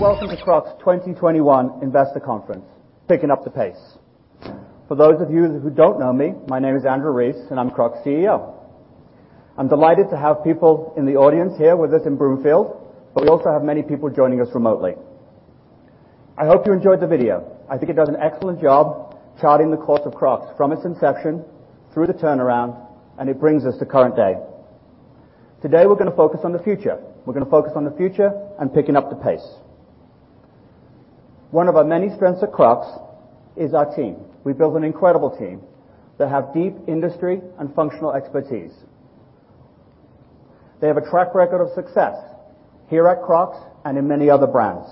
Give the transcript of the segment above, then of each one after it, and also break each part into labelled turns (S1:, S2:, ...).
S1: Welcome to Crocs 2021 Investor Conference, Picking Up The Pace. For those of you who don't know me, my name is Andrew Rees, and I'm Crocs' CEO. I'm delighted to have people in the audience here with us in Broomfield, but we also have many people joining us remotely. I hope you enjoyed the video. I think it does an excellent job charting the course of Crocs from its inception through the turnaround, and it brings us to current day. Today, we're going to focus on the future. We're going to focus on the future and picking up the pace. One of our many strengths at Crocs is our team. We've built an incredible team that have deep industry and functional expertise. They have a track record of success here at Crocs and in many other brands.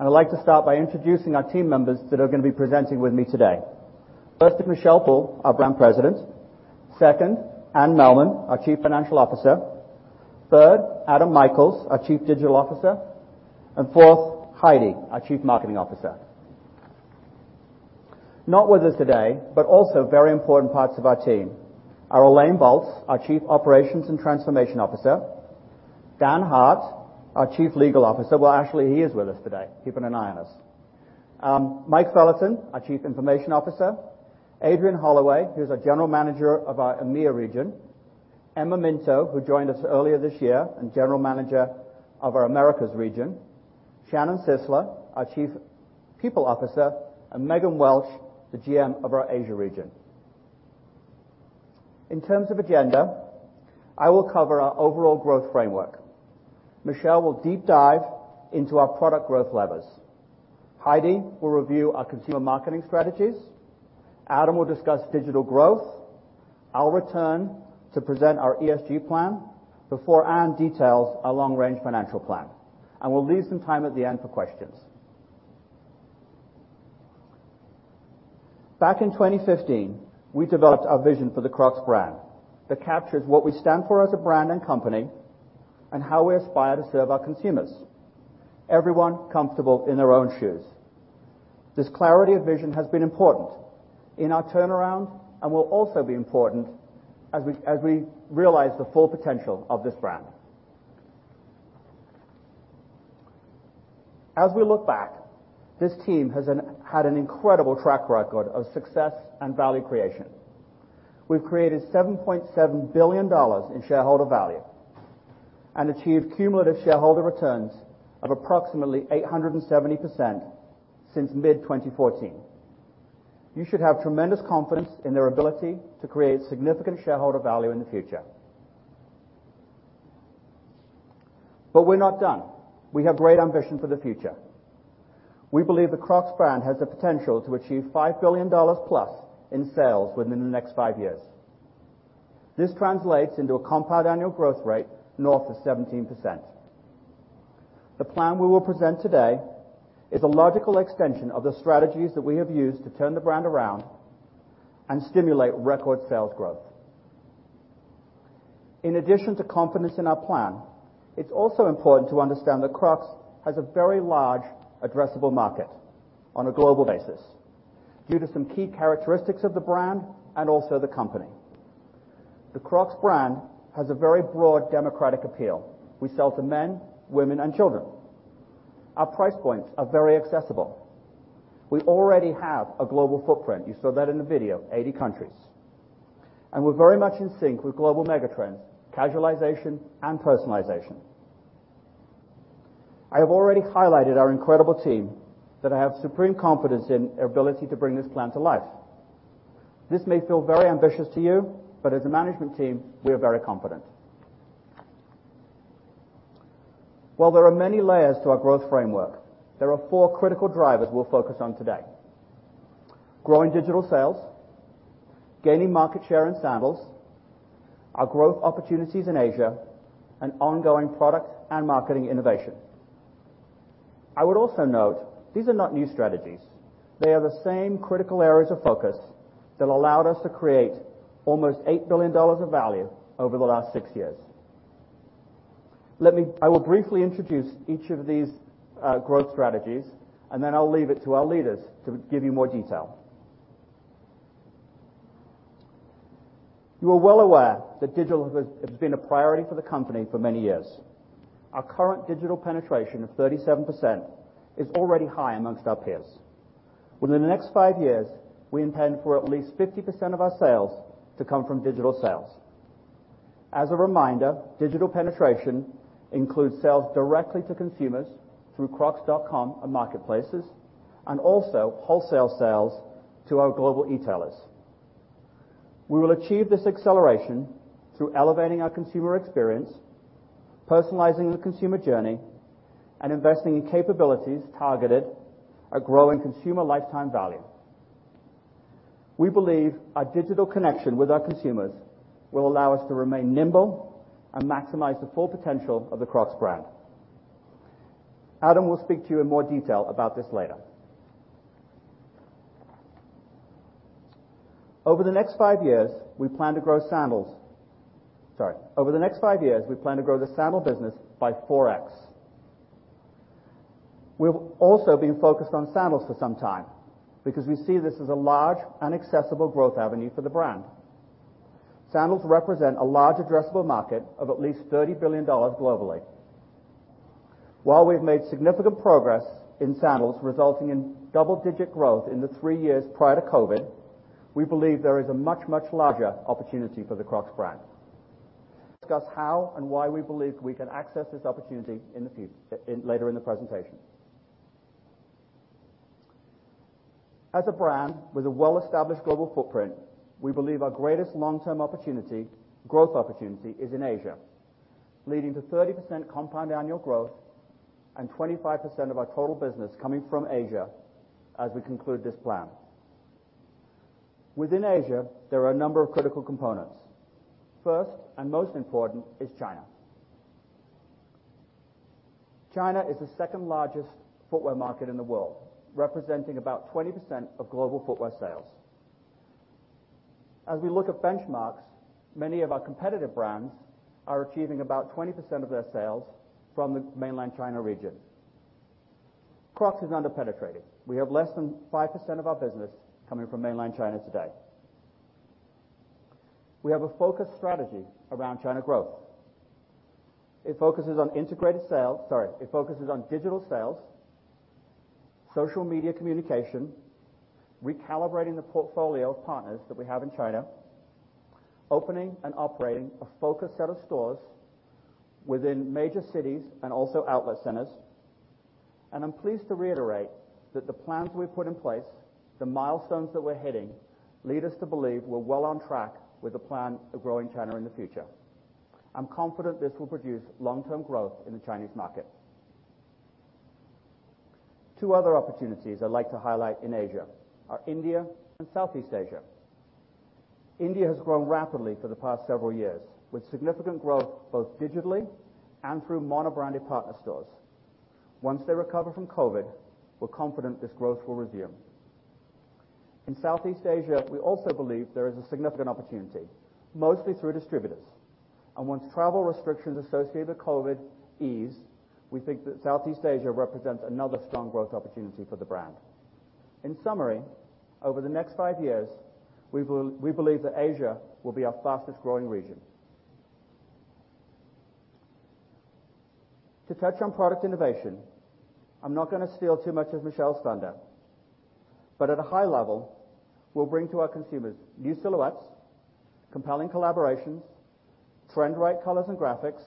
S1: I'd like to start by introducing our team members that are going to be presenting with me today. First is Michelle Poole, our Brand President. Second, Anne Mehlman, our Chief Financial Officer. Third, Adam Michaels, our Chief Digital Officer. Fourth, Heidi, our Chief Marketing Officer. Not with us today, but also very important parts of our team, are Elaine Boltz, our Chief Operations and Transformation Officer. Daniel Hart, our Chief Legal Officer. Well, actually, he is with us today, keeping an eye on us. Mike Feliton, our Chief Information Officer. Adrian Holloway, who's our General Manager of our EMEIA region. Emma Minto, who joined us earlier this year, and General Manager of our Americas region. Shannon Sisler, our Chief People Officer, and Megan Welch, the GM of our Asia region. In terms of agenda, I will cover our overall growth framework. Michelle will deep dive into our product growth levers. Heidi will review our consumer marketing strategies. Adam will discuss digital growth. I'll return to present our ESG plan before Anne details our long-range financial plan. We'll leave some time at the end for questions. Back in 2015, we developed our vision for the Crocs brand that captures what we stand for as a brand and company and how we aspire to serve our consumers. Everyone comfortable in their own shoes. This clarity of vision has been important in our turnaround and will also be important as we realize the full potential of this brand. As we look back, this team has had an incredible track record of success and value creation. We've created $7.7 billion in shareholder value and achieved cumulative shareholder returns of approximately 870% since mid-2014. You should have tremendous confidence in their ability to create significant shareholder value in the future. We're not done. We have great ambition for the future. We believe the Crocs brand has the potential to achieve $5 billion plus in sales within the next 5 years. This translates into a compound annual growth rate north of 17%. The plan we will present today is a logical extension of the strategies that we have used to turn the brand around and stimulate record sales growth. In addition to confidence in our plan, it's also important to understand that Crocs has a very large addressable market on a global basis due to some key characteristics of the brand and also the company. The Crocs brand has a very broad democratic appeal. We sell to men, women, and children. Our price points are very accessible. We already have a global footprint. You saw that in the video, 80 countries. We're very much in sync with global mega-trends, casualization and personalization. I have already highlighted our incredible team that I have supreme confidence in their ability to bring this plan to life. This may feel very ambitious to you, but as a management team, we are very confident. While there are many layers to our growth framework, there are 4 critical drivers we'll focus on today. Growing digital sales, gaining market share in sandals, our growth opportunities in Asia, and ongoing product and marketing innovation. I would also note, these are not new strategies. They are the same critical areas of focus that allowed us to create almost $8 billion of value over the last 6 years. I will briefly introduce each of these growth strategies, then I'll leave it to our leaders to give you more detail. You are well aware that digital has been a priority for the company for many years. Our current digital penetration of 37% is already high amongst our peers. Within the next 5 years, we intend for at least 50% of our sales to come from digital sales. As a reminder, digital penetration includes sales directly to consumers through crocs.com and marketplaces, and also wholesale sales to our global e-tailers. We will achieve this acceleration through elevating our consumer experience, personalizing the consumer journey, and investing in capabilities targeted at growing consumer lifetime value. We believe our digital connection with our consumers will allow us to remain nimble and maximize the full potential of the Crocs brand. Adam will speak to you in more detail about this later. Over the next 5 years, we plan to grow the sandal business by 4x. We've also been focused on sandals for some time because we see this as a large and accessible growth avenue for the brand. Sandals represent a large addressable market of at least $30 billion globally. While we've made significant progress in sandals resulting in double-digit growth in the 3 years prior to COVID, we believe there is a much, much larger opportunity for the Crocs brand. Discuss how and why we believe we can access this opportunity later in the presentation. As a brand with a well-established global footprint, we believe our greatest long-term growth opportunity is in Asia, leading to 30% compound annual growth and 25% of our total business coming from Asia as we conclude this plan. Within Asia, there are a number of critical components. First and most important is China. China is the 2nd-largest footwear market in the world, representing about 20% of global footwear sales. As we look at benchmarks, many of our competitive brands are achieving about 20% of their sales from the mainland China region. Crocs is under-penetrated. We have less than 5% of our business coming from mainland China today. We have a focused strategy around China growth. It focuses on digital sales, social media communication, recalibrating the portfolio of partners that we have in China, opening and operating a focused set of stores within major cities and also outlet centers, and I'm pleased to reiterate that the plans we've put in place, the milestones that we're hitting, lead us to believe we're well on track with the plan of growing China in the future. I'm confident this will produce long-term growth in the Chinese market. Two other opportunities I'd like to highlight in Asia are India and Southeast Asia. India has grown rapidly for the past several years with significant growth both digitally and through mono-branded partner stores. Once they recover from COVID, we're confident this growth will resume. Once travel restrictions associated with COVID ease, we think that Southeast Asia represents another strong growth opportunity for the brand. In summary, over the next five years, we believe that Asia will be our fastest-growing region. To touch on product innovation, I'm not going to steal too much of Michelle's thunder, but at a high level, we'll bring to our consumers new silhouettes, compelling collaborations, trend-right colors and graphics,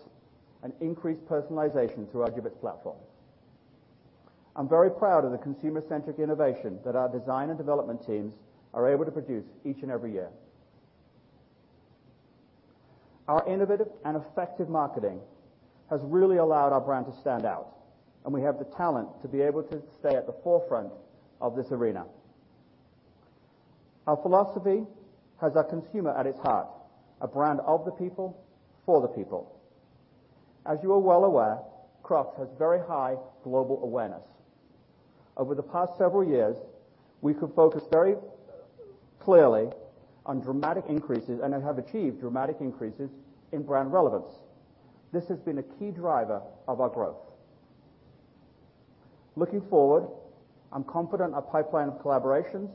S1: and increased personalization through our Jibbitz platform. I'm very proud of the consumer-centric innovation that our design and development teams are able to produce each and every year. Our innovative and effective marketing has really allowed our brand to stand out, and we have the talent to be able to stay at the forefront of this arena. Our philosophy has our consumer at its heart, a brand of the people, for the people. As you are well aware, Crocs has very high global awareness. Over the past several years, we have focused very clearly on dramatic increases and have achieved dramatic increases in brand relevance. This has been a key driver of our growth. Looking forward, I'm confident our pipeline of collaborations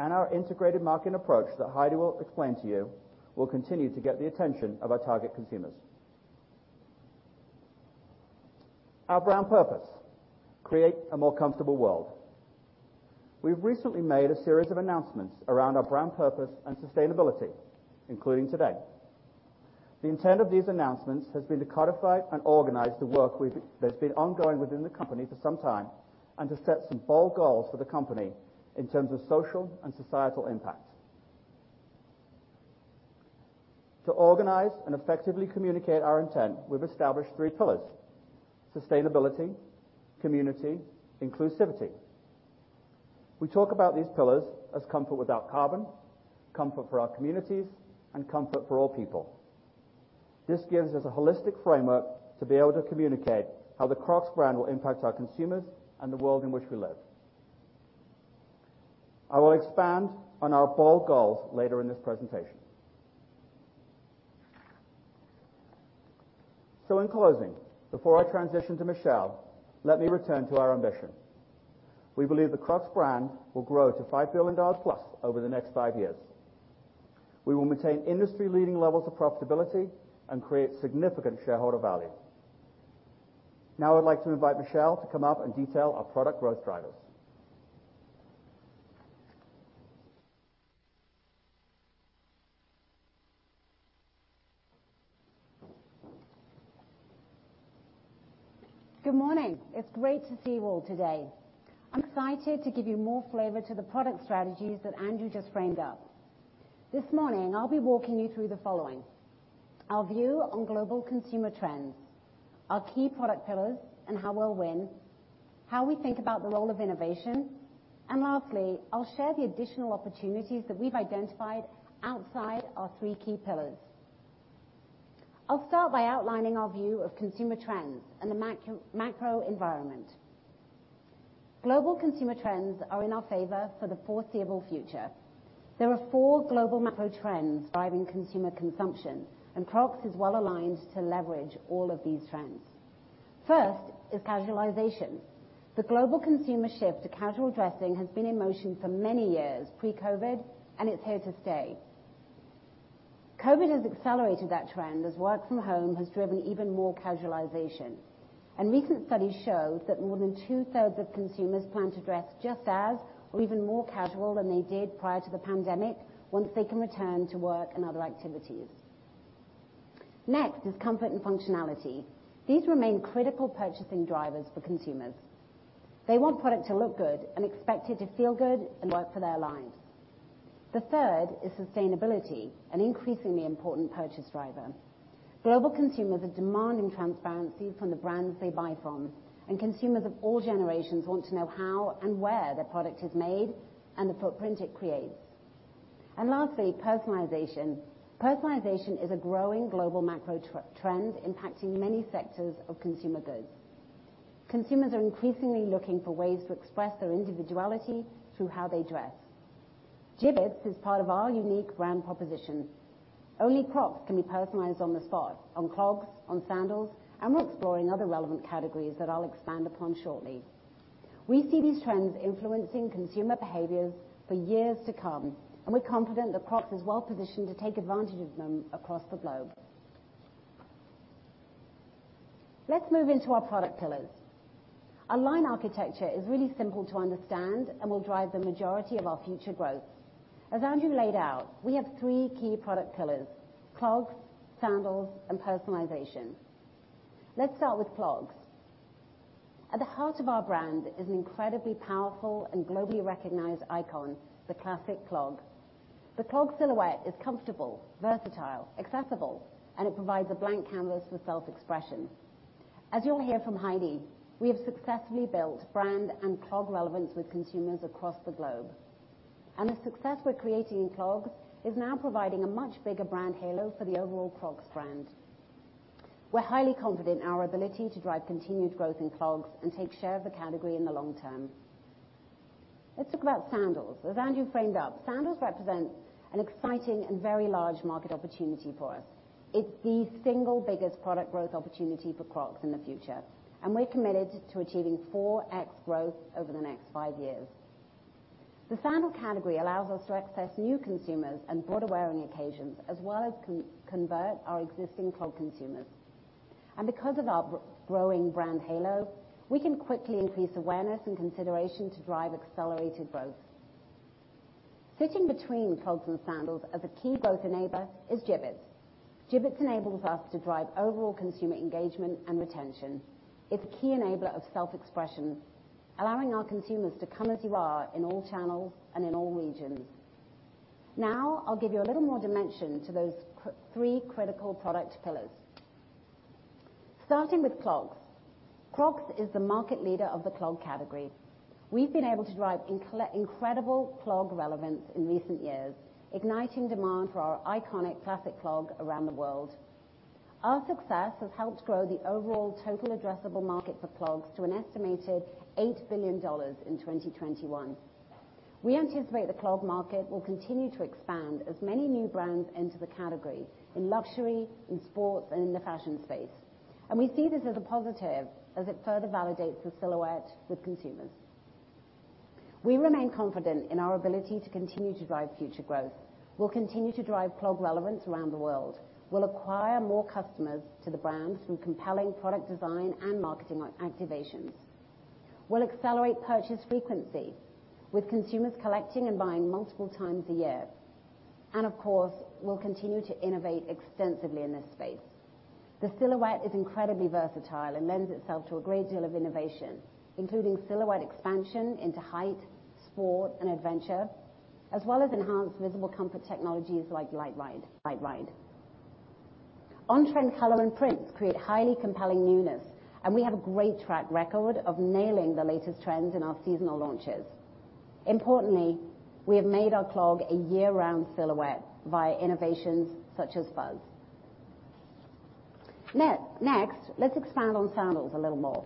S1: and our integrated marketing approach that Heidi will explain to you will continue to get the attention of our target consumers. Our brand purpose, create a more comfortable world. We've recently made a series of announcements around our brand purpose and sustainability, including today. The intent of these announcements has been to codify and organize the work that's been ongoing within the company for some time and to set some bold goals for the company in terms of social and societal impact. To organize and effectively communicate our intent, we've established three pillars: sustainability, community, inclusivity. We talk about these pillars as comfort without carbon, comfort for our communities, and comfort for all people. This gives us a holistic framework to be able to communicate how the Crocs brand will impact our consumers and the world in which we live. I will expand on our bold goals later in this presentation. In closing, before I transition to Michelle, let me return to our ambition. We believe the Crocs brand will grow to +$5 billion over the next five years. We will maintain industry-leading levels of profitability and create significant shareholder value. I'd like to invite Michelle Poole to come up and detail our product growth drivers.
S2: Good morning. It is great to see you all today. I am excited to give you more flavor to the product strategies that Andrew just framed up. This morning, I will be walking you through the following: our view on global consumer trends, our key product pillars and how we will win, how we think about the role of innovation, and lastly, I will share the additional opportunities that we have identified outside our 3 key pillars. I will start by outlining our view of consumer trends and the macro environment. Global consumer trends are in our favor for the foreseeable future. There are 4 global macro trends driving consumer consumption. Crocs is well-aligned to leverage all of these trends. First is casualization. The global consumer shift to casual dressing has been in motion for many years, pre-COVID. It is here to stay. COVID has accelerated that trend as work from home has driven even more casualization, and recent studies show that more than 2/3 of consumers plan to dress just as or even more casual than they did prior to the pandemic once they can return to work and other activities. Comfort and functionality. These remain critical purchasing drivers for consumers. They want product to look good and expect it to feel good and work for their lives. Third is sustainability, an increasingly important purchase driver. Global consumers are demanding transparency from the brands they buy from, and consumers of all generations want to know how and where their product is made and the footprint it creates. Lastly, personalization. Personalization is a growing global macro trend impacting many sectors of consumer goods. Consumers are increasingly looking for ways to express their individuality through how they dress. Jibbitz is part of our unique brand proposition. Only Crocs can be personalized on the spot, on clogs, on sandals, and we're exploring other relevant categories that I'll expand upon shortly. We see these trends influencing consumer behaviors for years to come, and we're confident that Crocs is well-positioned to take advantage of them across the globe. Let's move into our product pillars. Our line architecture is really simple to understand and will drive the majority of our future growth. As Andrew laid out, we have three key product pillars, clogs, sandals, and personalization. Let's start with clogs. At the heart of our brand is an incredibly powerful and globally recognized icon, the Classic Clog. The clog silhouette is comfortable, versatile, accessible, and it provides a blank canvas for self-expression. As you'll hear from Heidi, we have successfully built brand and clog relevance with consumers across the globe, and the success we're creating in clogs is now providing a much bigger brand halo for the overall Crocs brand. We're highly confident in our ability to drive continued growth in clogs and take share of the category in the long term. Let's talk about sandals. As Andrew framed up, sandals represent an exciting and very large market opportunity for us. It's the single biggest product growth opportunity for Crocs in the future, and we're committed to achieving 4x growth over the next five years. The sandal category allows us to access new consumers and broader wearing occasions as well as convert our existing clog consumers. Because of our growing brand halo, we can quickly increase awareness and consideration to drive accelerated growth. Sitting between clogs and sandals as a key growth enabler is Jibbitz. Jibbitz enables us to drive overall consumer engagement and retention. It's a key enabler of self-expression, allowing our consumers to Come As You Are in all channels and in all regions. I'll give you a little more dimension to those 3 critical product pillars. Starting with clogs. Crocs is the market leader of the clog category. We've been able to drive incredible clog relevance in recent years, igniting demand for our iconic Classic Clog around the world. Our success has helped grow the overall total addressable market for clogs to an estimated $8 billion in 2021. We anticipate the clog market will continue to expand as many new brands enter the category in luxury, in sports, and in the fashion space. We see this as a positive as it further validates the silhouette with consumers. We remain confident in our ability to continue to drive future growth. We'll continue to drive clog relevance around the world. We'll acquire more customers to the brand through compelling product design and marketing activations. We'll accelerate purchase frequency with consumers collecting and buying multiple times a year. Of course, we'll continue to innovate extensively in this space. The silhouette is incredibly versatile and lends itself to a great deal of innovation, including silhouette expansion into height, sport, and adventure, as well as enhanced visible comfort technologies like LiteRide. On-trend color and prints create highly compelling newness. We have a great track record of nailing the latest trends in our seasonal launches. Importantly, we have made our clog a year-round silhouette via innovations such as Fuzz. Next, let's expand on sandals a little more.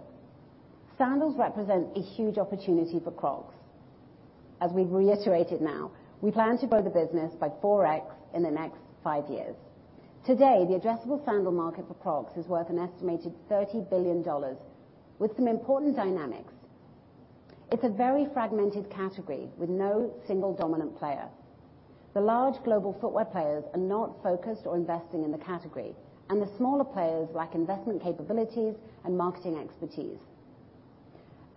S2: Sandals represent a huge opportunity for Crocs. As we've reiterated now, we plan to grow the business by 4x in the next 5 years. Today, the addressable sandal market for Crocs is worth an estimated $30 billion with some important dynamics. It's a very fragmented category with no single dominant player. The large global footwear players are not focused or investing in the category, and the smaller players lack investment capabilities and marketing expertise.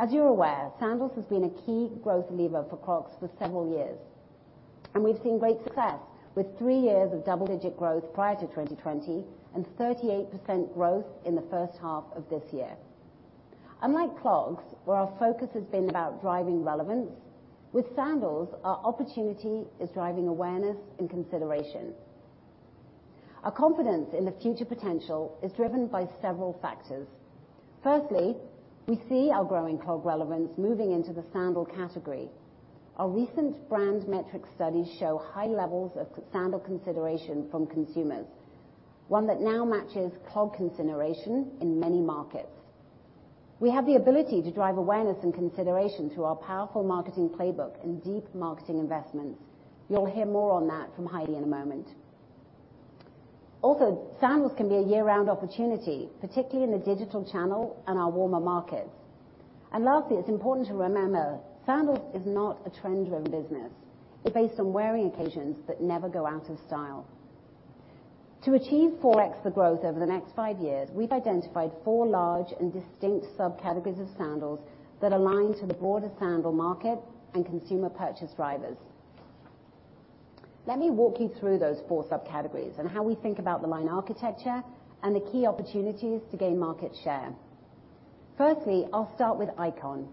S2: As you're aware, sandals has been a key growth lever for Crocs for several years, and we've seen great success with 3 years of double-digit growth prior to 2020 and 38% growth in the first half of this year. Unlike clogs, where our focus has been about driving relevance, with sandals, our opportunity is driving awareness and consideration. Our confidence in the future potential is driven by several factors. Firstly, we see our growing clog relevance moving into the sandal category. Our recent brand metric studies show high levels of sandal consideration from consumers. One that now matches clog consideration in many markets. We have the ability to drive awareness and consideration through our powerful marketing playbook and deep marketing investments. You'll hear more on that from Heidi in a moment. Sandals can be a year-round opportunity, particularly in the digital channel and our warmer markets. Lastly, it's important to remember, sandals is not a trend-driven business. It's based on wearing occasions that never go out of style. To achieve 4x the growth over the next 5 years, we've identified 4 large and distinct subcategories of sandals that align to the broader sandal market and consumer purchase drivers. Let me walk you through those 4 subcategories and how we think about the line architecture and the key opportunities to gain market share. I'll start with Icon.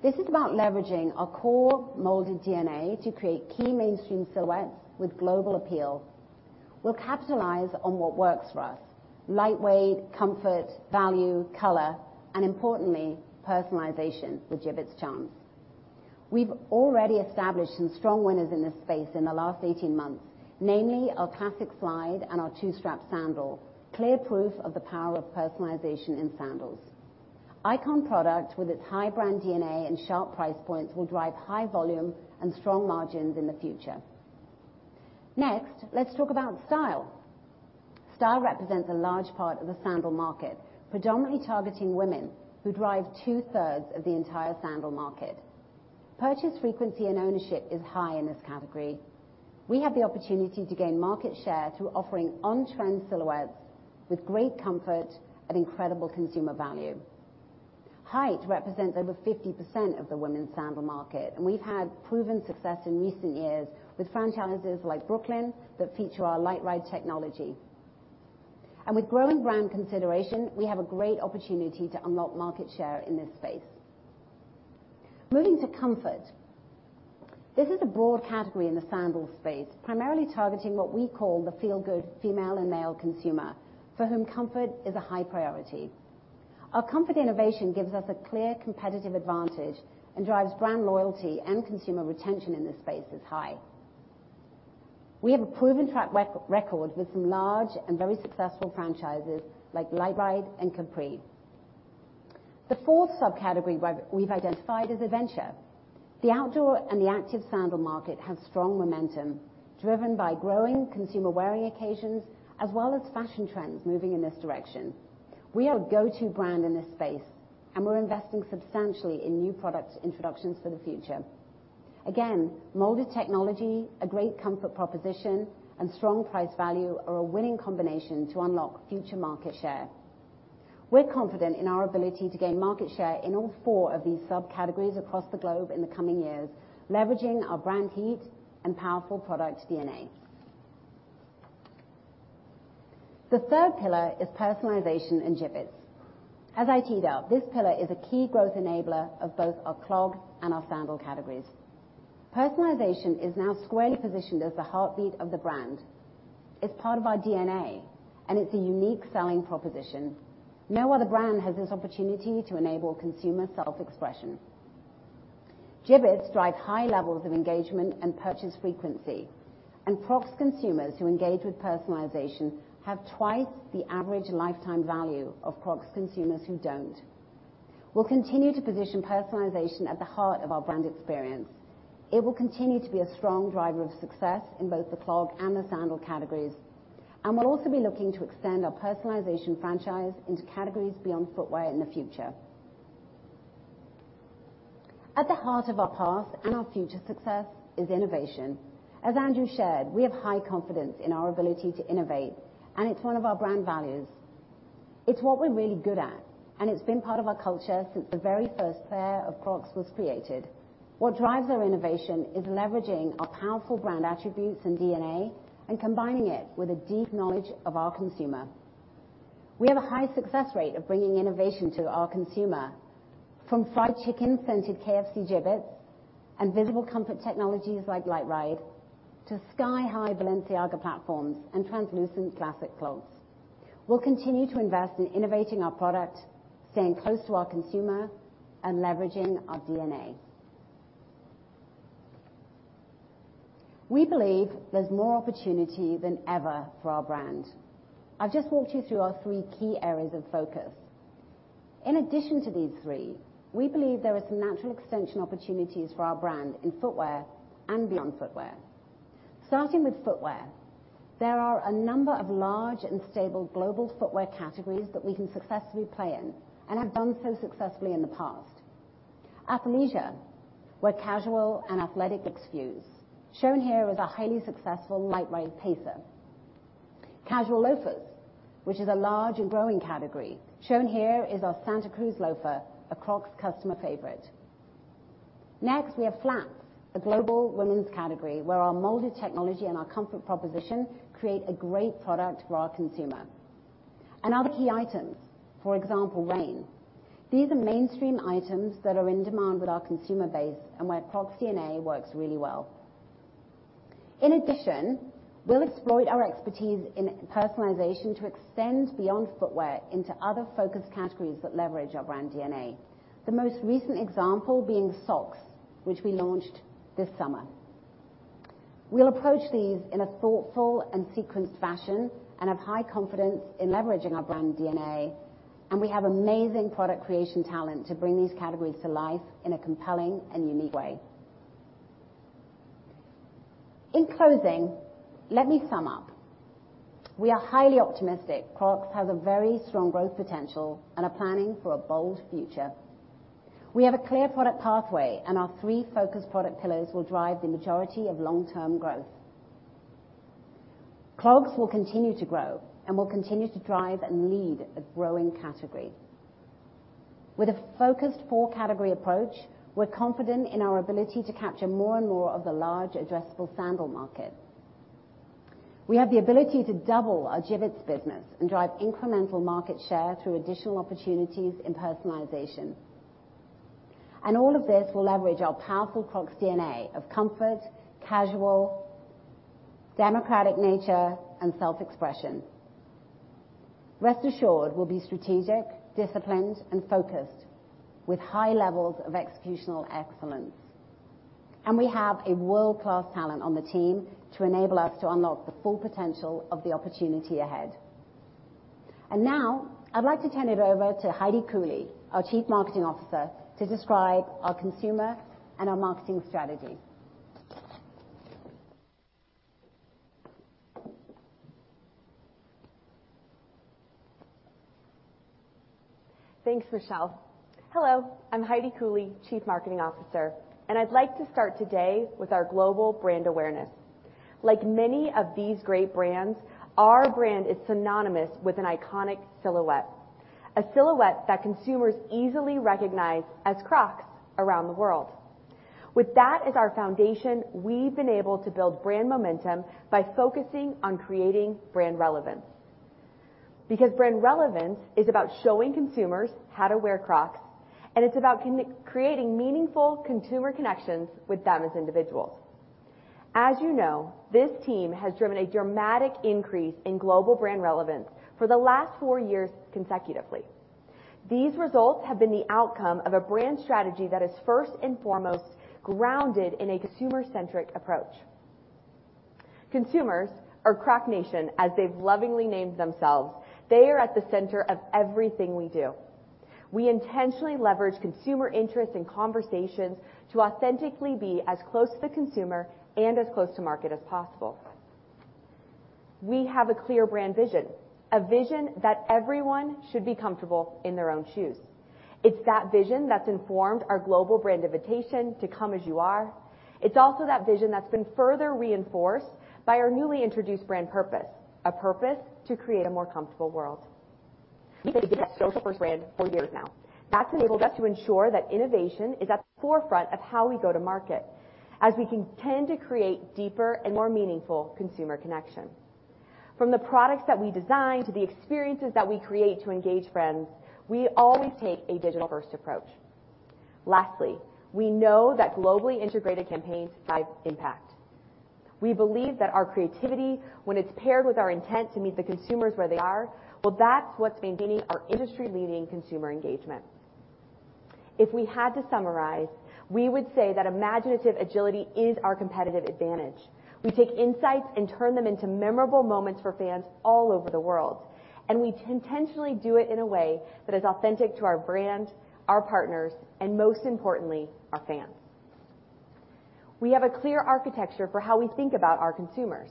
S2: This is about leveraging our core molded DNA to create key mainstream silhouettes with global appeal. We'll capitalize on what works for us, lightweight, comfort, value, color, and importantly, personalization with Jibbitz charms. We've already established some strong winners in this space in the last 18 months, namely our Classic Slide and our Two Strap sandal. Clear proof of the power of personalization in sandals. Icon product with its high brand DNA and sharp price points will drive high volume and strong margins in the future. Next, let's talk about style. Style represents a large part of the sandal market, predominantly targeting women who drive 2/3 of the entire sandal market. Purchase frequency and ownership is high in this category. We have the opportunity to gain market share through offering on-trend silhouettes with great comfort at incredible consumer value. Height represents over 50% of the women's sandal market. We've had proven success in recent years with franchises like Brooklyn that feature our LiteRide technology. With growing brand consideration, we have a great opportunity to unlock market share in this space. Moving to comfort. This is a broad category in the sandal space, primarily targeting what we call the feel-good female and male consumer for whom comfort is a high priority. Our comfort innovation gives us a clear competitive advantage and drives brand loyalty and consumer retention in this space is high. We have a proven track record with some large and very successful franchises like LiteRide and Capri. The 4th subcategory we've identified is adventure. The outdoor and the active sandal market have strong momentum driven by growing consumer wearing occasions as well as fashion trends moving in this direction. We are a go-to brand in this space, and we're investing substantially in new product introductions for the future. Again, molded technology, a great comfort proposition, and strong price value are a winning combination to unlock future market share. We're confident in our ability to gain market share in all four of these subcategories across the globe in the coming years, leveraging our brand heat and powerful product DNA. The third pillar is personalization and Jibbitz. As I teed up, this pillar is a key growth enabler of both our clog and our sandal categories. Personalization is now squarely positioned as the heartbeat of the brand. It's part of our DNA, and it's a unique selling proposition. No other brand has this opportunity to enable consumer self-expression. Jibbitz drive high levels of engagement and purchase frequency, and Crocs consumers who engage with personalization have twice the average lifetime value of Crocs consumers who don't. We'll continue to position personalization at the heart of our brand experience. It will continue to be a strong driver of success in both the clog and the sandal categories, and we'll also be looking to extend our personalization franchise into categories beyond footwear in the future. At the heart of our past and our future success is innovation. As Andrew shared, we have high confidence in our ability to innovate, and it's one of our brand values. It's what we're really good at, and it's been part of our culture since the very first pair of Crocs was created. What drives our innovation is leveraging our powerful brand attributes and DNA and combining it with a deep knowledge of our consumer. We have a high success rate of bringing innovation to our consumer from fried chicken-scented KFC Jibbitz and visible comfort technologies like LiteRide to sky-high Balenciaga platforms and translucent Classic Clogs. We'll continue to invest in innovating our product, staying close to our consumer, and leveraging our DNA. We believe there's more opportunity than ever for our brand. I've just walked you through our three key areas of focus. In addition to these three, we believe there are some natural extension opportunities for our brand in footwear and beyond footwear. Starting with footwear. There are a number of large and stable global footwear categories that we can successfully play in and have done so successfully in the past. Athleisure, where casual and athletic looks fuse. Shown here is our highly successful LiteRide Pacer. Casual loafers, which is a large and growing category. Shown here is our Santa Cruz loafer, a Crocs customer favorite. We have flats, a global women's category where our molded technology and our comfort proposition create a great product for our consumer. Other key items, for example, rain. These are mainstream items that are in demand with our consumer base and where Crocs DNA works really well. In addition, we'll exploit our expertise in personalization to extend beyond footwear into other focused categories that leverage our brand DNA. The most recent example being socks, which we launched this summer. We'll approach these in a thoughtful and sequenced fashion and have high confidence in leveraging our brand DNA, and we have amazing product creation talent to bring these categories to life in a compelling and unique way. In closing, let me sum up. We are highly optimistic Crocs has a very strong growth potential and are planning for a bold future. We have a clear product pathway. Our 3 focused product pillars will drive the majority of long-term growth. Clogs will continue to grow and will continue to drive and lead a growing category. With a focused 4-category approach, we're confident in our ability to capture more and more of the large addressable sandal market. We have the ability to double our Jibbitz business and drive incremental market share through additional opportunities in personalization. All of this will leverage our powerful Crocs DNA of comfort, casual, democratic nature, and self-expression. Rest assured, we'll be strategic, disciplined, and focused with high levels of executional excellence. We have a world-class talent on the team to enable us to unlock the full potential of the opportunity ahead. Now, I'd like to turn it over to Heidi Cooley, our Chief Marketing Officer, to describe our consumer and our marketing strategy.
S3: Thanks, Michelle. Hello, I'm Heidi Cooley, Chief Marketing Officer. I'd like to start today with our global brand awareness. Like many of these great brands, our brand is synonymous with an iconic silhouette, a silhouette that consumers easily recognize as Crocs around the world. With that as our foundation, we've been able to build brand momentum by focusing on creating brand relevance. Brand relevance is about showing consumers how to wear Crocs, and it's about creating meaningful consumer connections with them as individuals. As you know, this team has driven a dramatic increase in global brand relevance for the last four years consecutively. These results have been the outcome of a brand strategy that is first and foremost grounded in a consumer-centric approach. Consumers, or Croc Nation, as they've lovingly named themselves, they are at the center of everything we do. We intentionally leverage consumer interest and conversations to authentically be as close to the consumer and as close to market as possible. We have a clear brand vision, a vision that everyone should be comfortable in their own shoes. It's that vision that's informed our global brand invitation to Come As You Are. It's also that vision that's been further reinforced by our newly introduced brand purpose, a purpose to create a more comfortable world. It's been a social first brand for years now. That's enabled us to ensure that innovation is at the forefront of how we go to market, as we can tend to create deeper and more meaningful consumer connection. From the products that we design to the experiences that we create to engage friends, we always take a digital-first approach. Lastly, we know that globally integrated campaigns drive impact. We believe that our creativity, when it's paired with our intent to meet the consumers where they are, well, that's what's maintaining our industry-leading consumer engagement. If we had to summarize, we would say that imaginative agility is our competitive advantage. We take insights and turn them into memorable moments for fans all over the world, and we intentionally do it in a way that is authentic to our brand, our partners, and most importantly, our fans. We have a clear architecture for how we think about our consumers.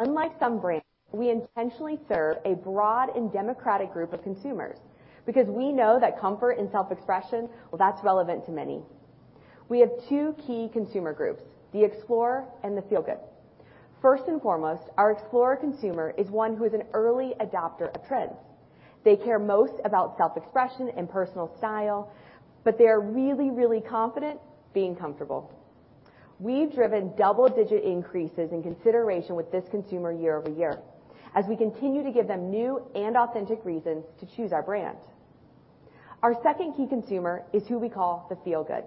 S3: Unlike some brands, we intentionally serve a broad and democratic group of consumers because we know that comfort and self-expression, well, that's relevant to many. We have two key consumer groups, the explorer and the feel-good. First and foremost, our explorer consumer is one who is an early adopter of trends. They care most about self-expression and personal style, but they are really, really confident being comfortable. We've driven double-digit increases in consideration with this consumer year-over-year, as we continue to give them new and authentic reasons to choose our brand. Our second key consumer is who we call the feel-good.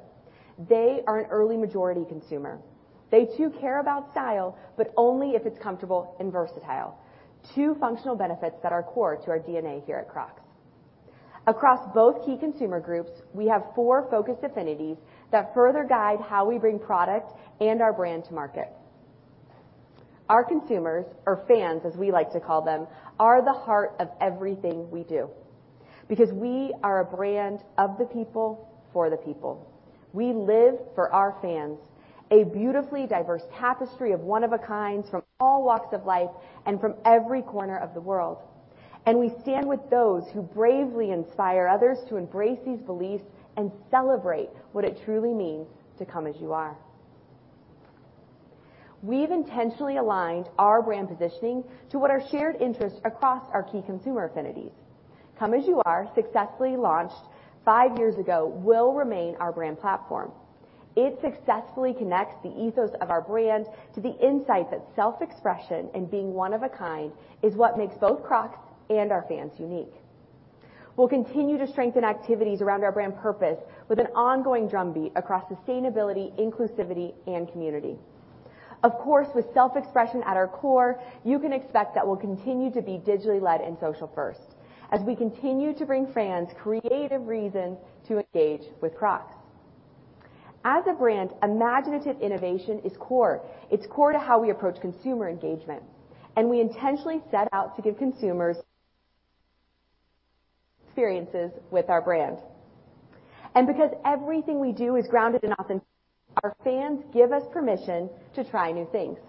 S3: They are an early majority consumer. They, too, care about style, but only if it's comfortable and versatile, two functional benefits that are core to our DNA here at Crocs. Across both key consumer groups, we have four focused affinities that further guide how we bring product and our brand to market. Our consumers, or fans, as we like to call them, are the heart of everything we do. We are a brand of the people, for the people. We live for our fans, a beautifully diverse tapestry of one of a kinds from all walks of life and from every corner of the world. We stand with those who bravely inspire others to embrace these beliefs and celebrate what it truly means to Come As You Are. We've intentionally aligned our brand positioning to what are shared interests across our key consumer affinities. Come As You Are, successfully launched 5 years ago, will remain our brand platform. It successfully connects the ethos of our brand to the insight that self-expression and being one of a kind is what makes both Crocs and our fans unique. We'll continue to strengthen activities around our brand purpose with an ongoing drumbeat across sustainability, inclusivity, and community. Of course, with self-expression at our core, you can expect that we'll continue to be digitally led and social first as we continue to bring fans creative reasons to engage with Crocs. As a brand, imaginative innovation is core. It's core to how we approach consumer engagement, we intentionally set out to give consumers experiences with our brand. Because everything we do is grounded in authenticity, our fans give us permission to try new things.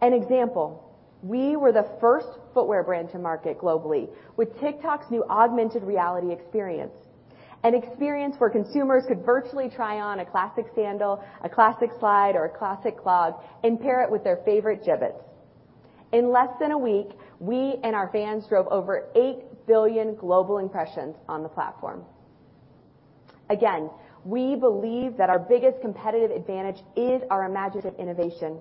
S3: An example, we were the first footwear brand to market globally with TikTok's new augmented reality experience, an experience where consumers could virtually try on a Classic Sandal, a Classic Slide, or a Classic Clog and pair it with their favorite Jibbitz. In less than a week, we and our fans drove over 8 billion global impressions on the platform. Again, we believe that our biggest competitive advantage is our imaginative innovation.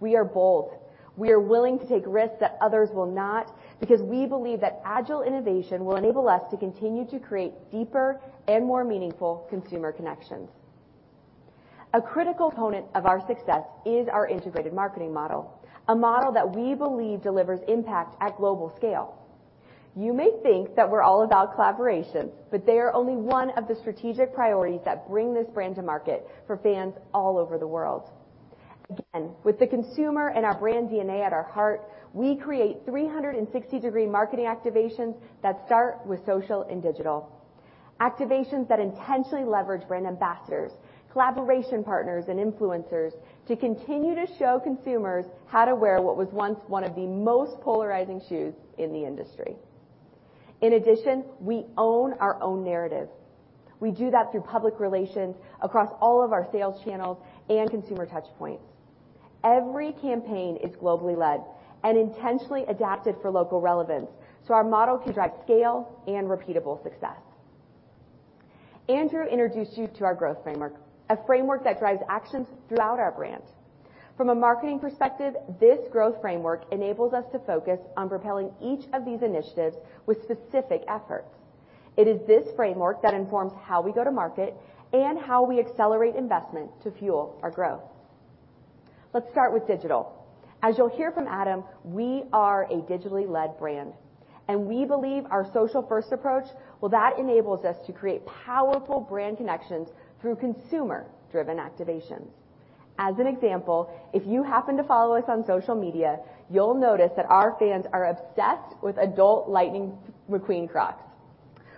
S3: We are bold. We are willing to take risks that others will not because we believe that agile innovation will enable us to continue to create deeper and more meaningful consumer connections. A critical component of our success is our integrated marketing model, a model that we believe delivers impact at global scale. You may think that we're all about collaborations, but they are only 1 of the strategic priorities that bring this brand to market for fans all over the world. Again, with the consumer and our brand DNA at our heart, we create 360-degree marketing activations that start with social and digital. Activations that intentionally leverage brand ambassadors, collaboration partners, and influencers to continue to show consumers how to wear what was once one of the most polarizing shoes in the industry. In addition, we own our own narrative. We do that through public relations across all of our sales channels and consumer touchpoints. Every campaign is globally led and intentionally adapted for local relevance so our model can drive scale and repeatable success. Andrew introduced you to our growth framework, a framework that drives actions throughout our brand. From a marketing perspective, this growth framework enables us to focus on propelling each of these initiatives with specific efforts. It is this framework that informs how we go to market and how we accelerate investment to fuel our growth. Let's start with digital. As you'll hear from Adam, we are a digitally led brand, and we believe our social-first approach, well, that enables us to create powerful brand connections through consumer-driven activations. As an example, if you happen to follow us on social media, you'll notice that our fans are obsessed with adult Lightning McQueen Crocs.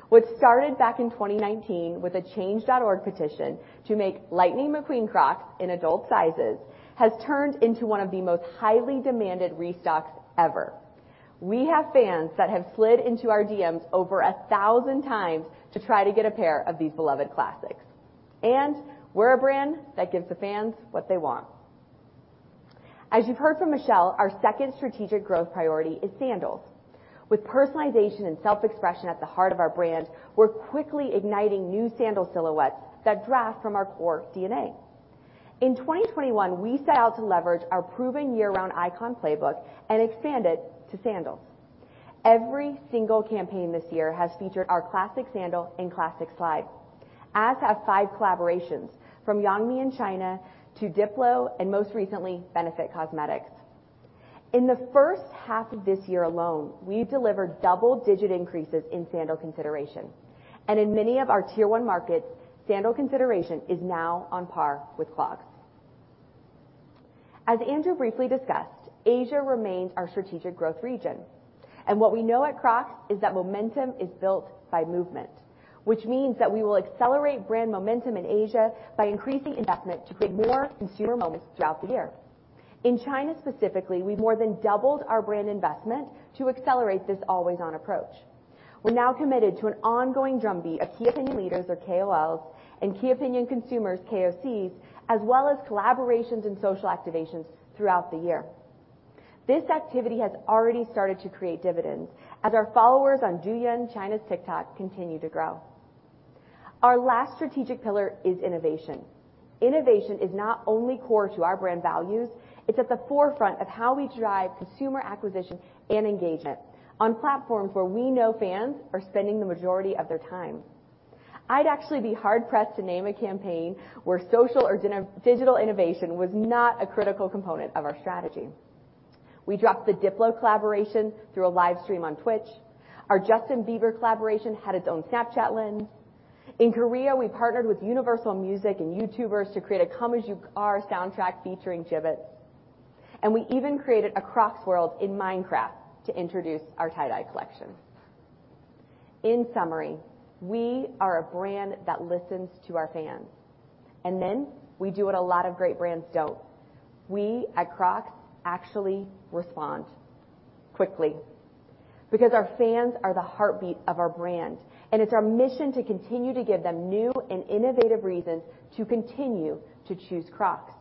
S3: What started back in 2019 with a change.org petition to make Lightning McQueen Crocs in adult sizes has turned into one of the most highly demanded restocks ever. We have fans that have slid into our DMs over 1,000 times to try to get a pair of these beloved classics. We're a brand that gives the fans what they want. As you've heard from Michelle, our second strategic growth priority is sandals. With personalization and self-expression at the heart of our brand, we're quickly igniting new sandal silhouettes that draft from our core DNA. In 2021, we set out to leverage our proven year-round icon playbook and expand it to sandals. Every single campaign this year has featured our Classic Sandal and Classic Slide, as have 5 collaborations, from Yang Mi in China to Diplo, and most recently, Benefit Cosmetics. In the first half of this year alone, we've delivered double-digit increases in sandal consideration, and in many of our Tier 1 markets, sandal consideration is now on par with clogs. As Andrew briefly discussed, Asia remains our strategic growth region, and what we know at Crocs is that momentum is built by movement, which means that we will accelerate brand momentum in Asia by increasing investment to create more consumer moments throughout the year. In China specifically, we've more than doubled our brand investment to accelerate this always-on approach. We're now committed to an ongoing drumbeat of Key Opinion Leaders, or KOLs, and Key Opinion Consumers, KOCs, as well as collaborations and social activations throughout the year. This activity has already started to create dividends as our followers on Douyin, China's TikTok, continue to grow. Our last strategic pillar is innovation. Innovation is not only core to our brand values, it's at the forefront of how we drive consumer acquisition and engagement on platforms where we know fans are spending the majority of their time. I'd actually be hard-pressed to name a campaign where social or digital innovation was not a critical component of our strategy. We dropped the Diplo collaboration through a live stream on Twitch. Our Justin Bieber collaboration had its own Snapchat lens. In Korea, we partnered with Universal Music and YouTubers to create a "Come As You Are" soundtrack featuring Jibbitz, and we even created a Crocs world in Minecraft to introduce our tie-dye collection. In summary, we are a brand that listens to our fans, and then we do what a lot of great brands don't. We at Crocs actually respond. Quickly. Because our fans are the heartbeat of our brand, and it's our mission to continue to give them new and innovative reasons to continue to choose Crocs.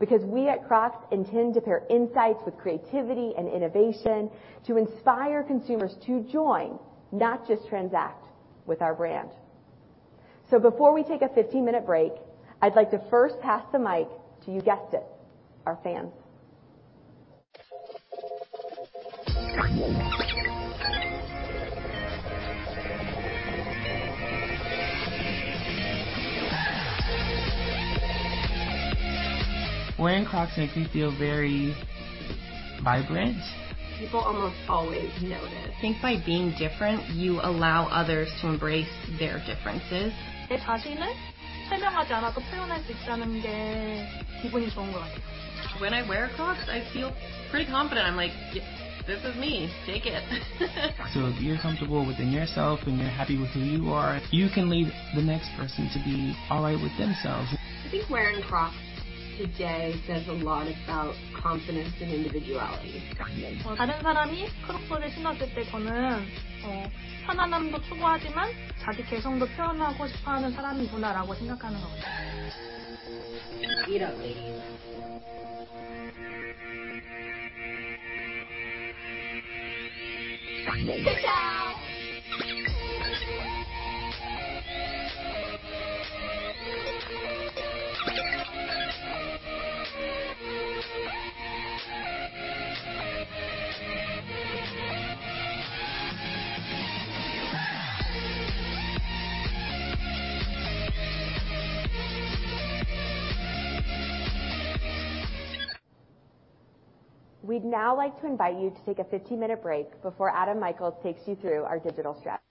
S3: Because we at Crocs intend to pair insights with creativity and innovation to inspire consumers to join, not just transact, with our brand. Before we take a 15-minute break, I'd like to first pass the mic to, you guessed it, our fans.
S4: Wearing Crocs makes me feel very vibrant. People almost always notice. I think by being different, you allow others to embrace their differences. It feels good not to explain but to express confidence. When I wear Crocs, I feel pretty confident. I'm like, "This is me. Take it. If you're comfortable within yourself and you're happy with who you are, you can lead the next person to be all right with themselves. I think wearing Crocs today says a lot about confidence and individuality. When other people wear Crocs, I think they are people who seek comfort but also want to express their individuality.
S3: We'd now like to invite you to take a 15-minute break before Adam Michaels takes you through our digital strategy.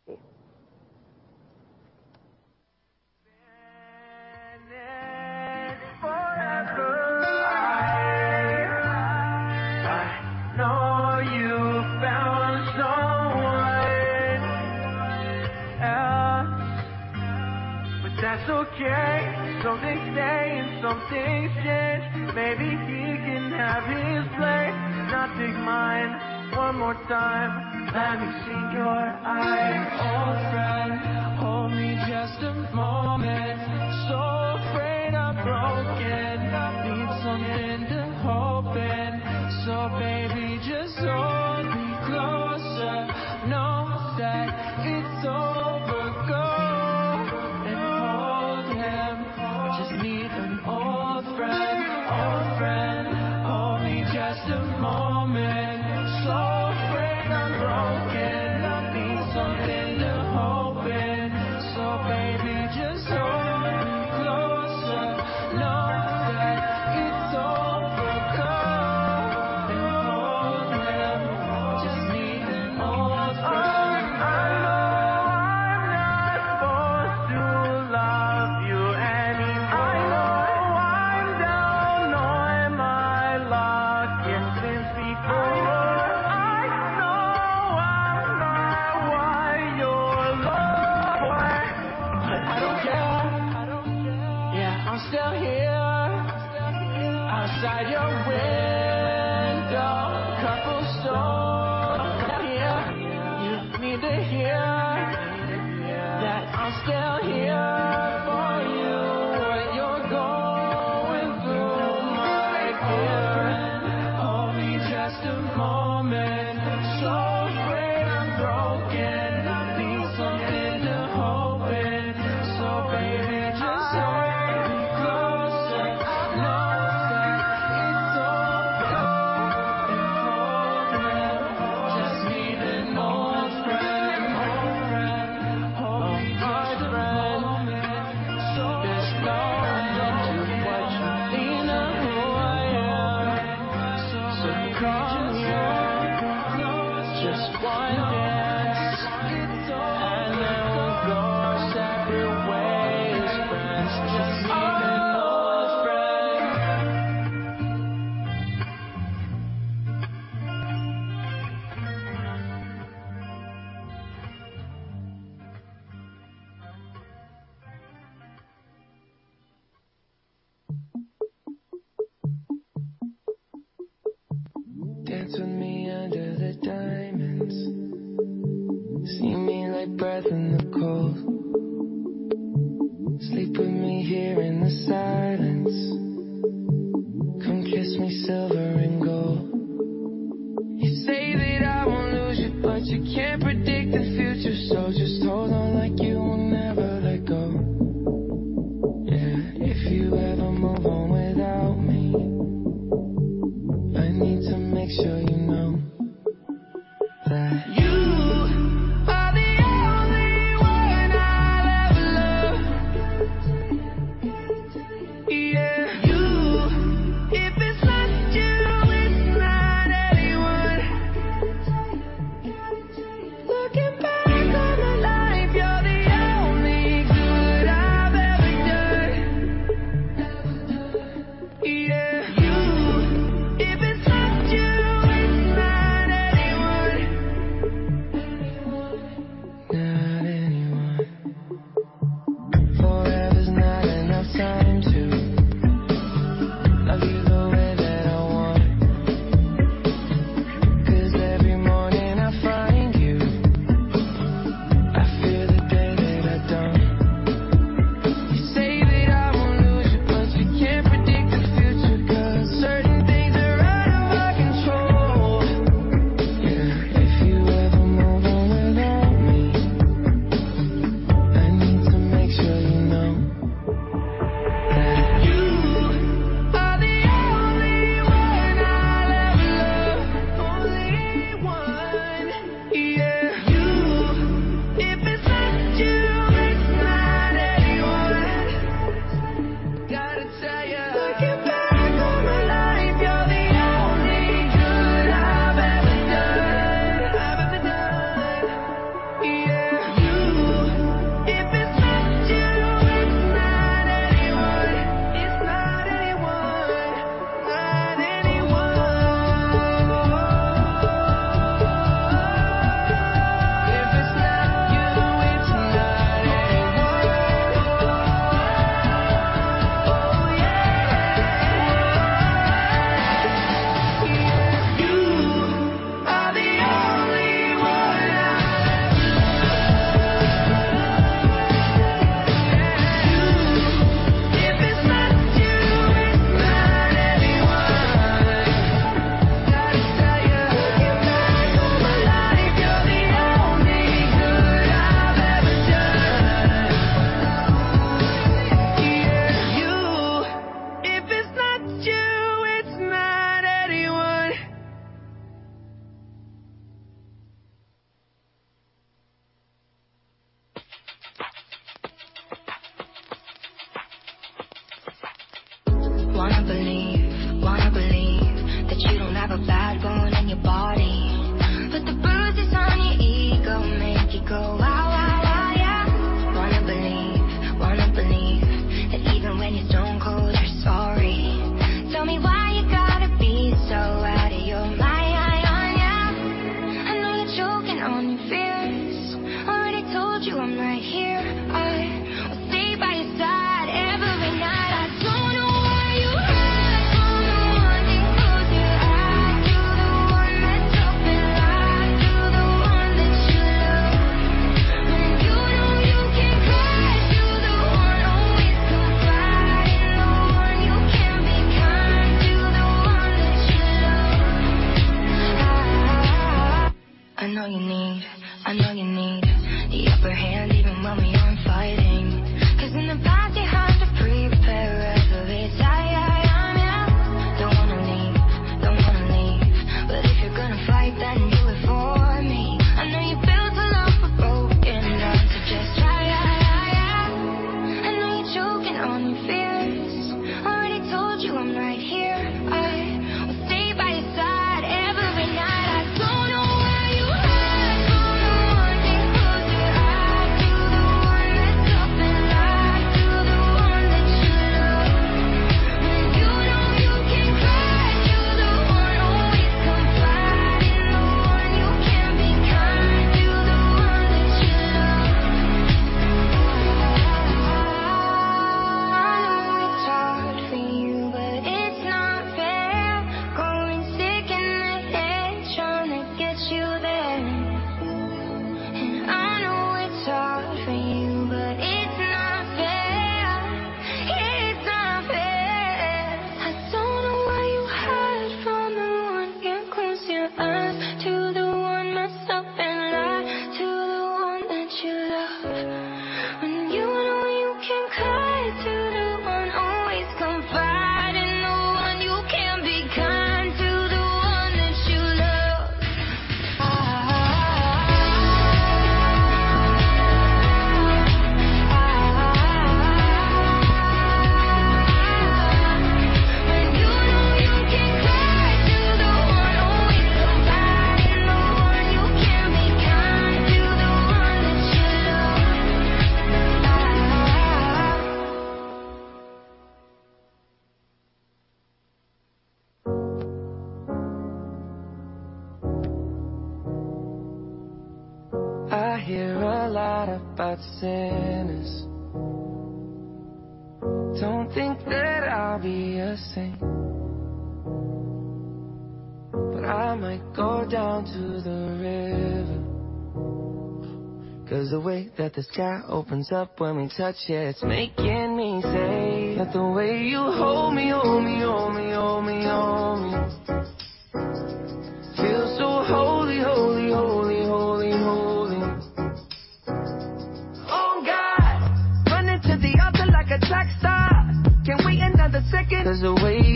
S5: Please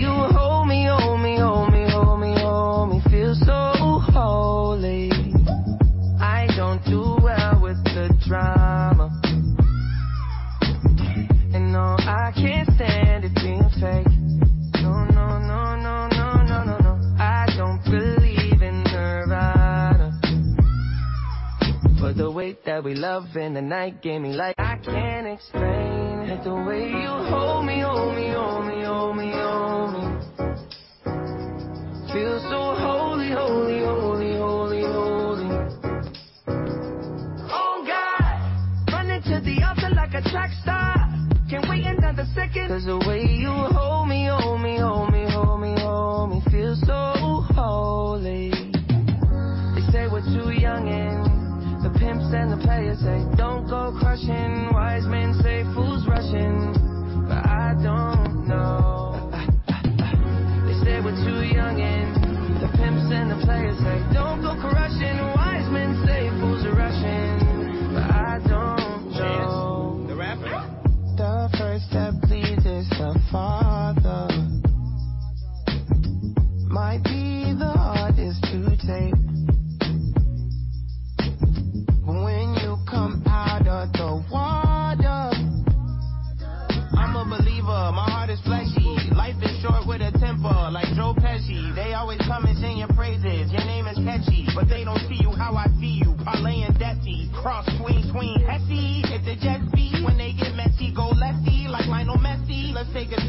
S5: take your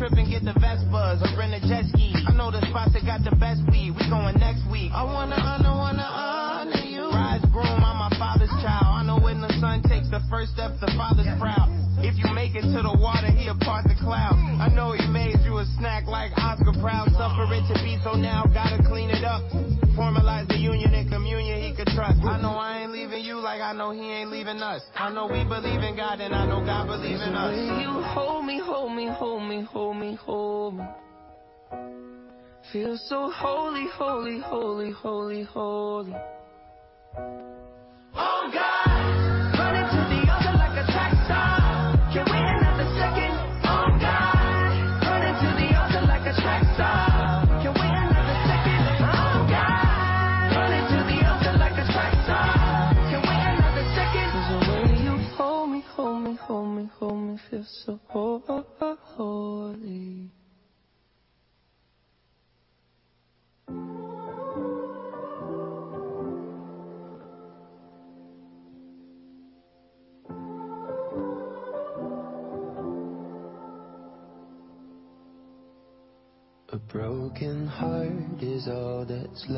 S5: seats.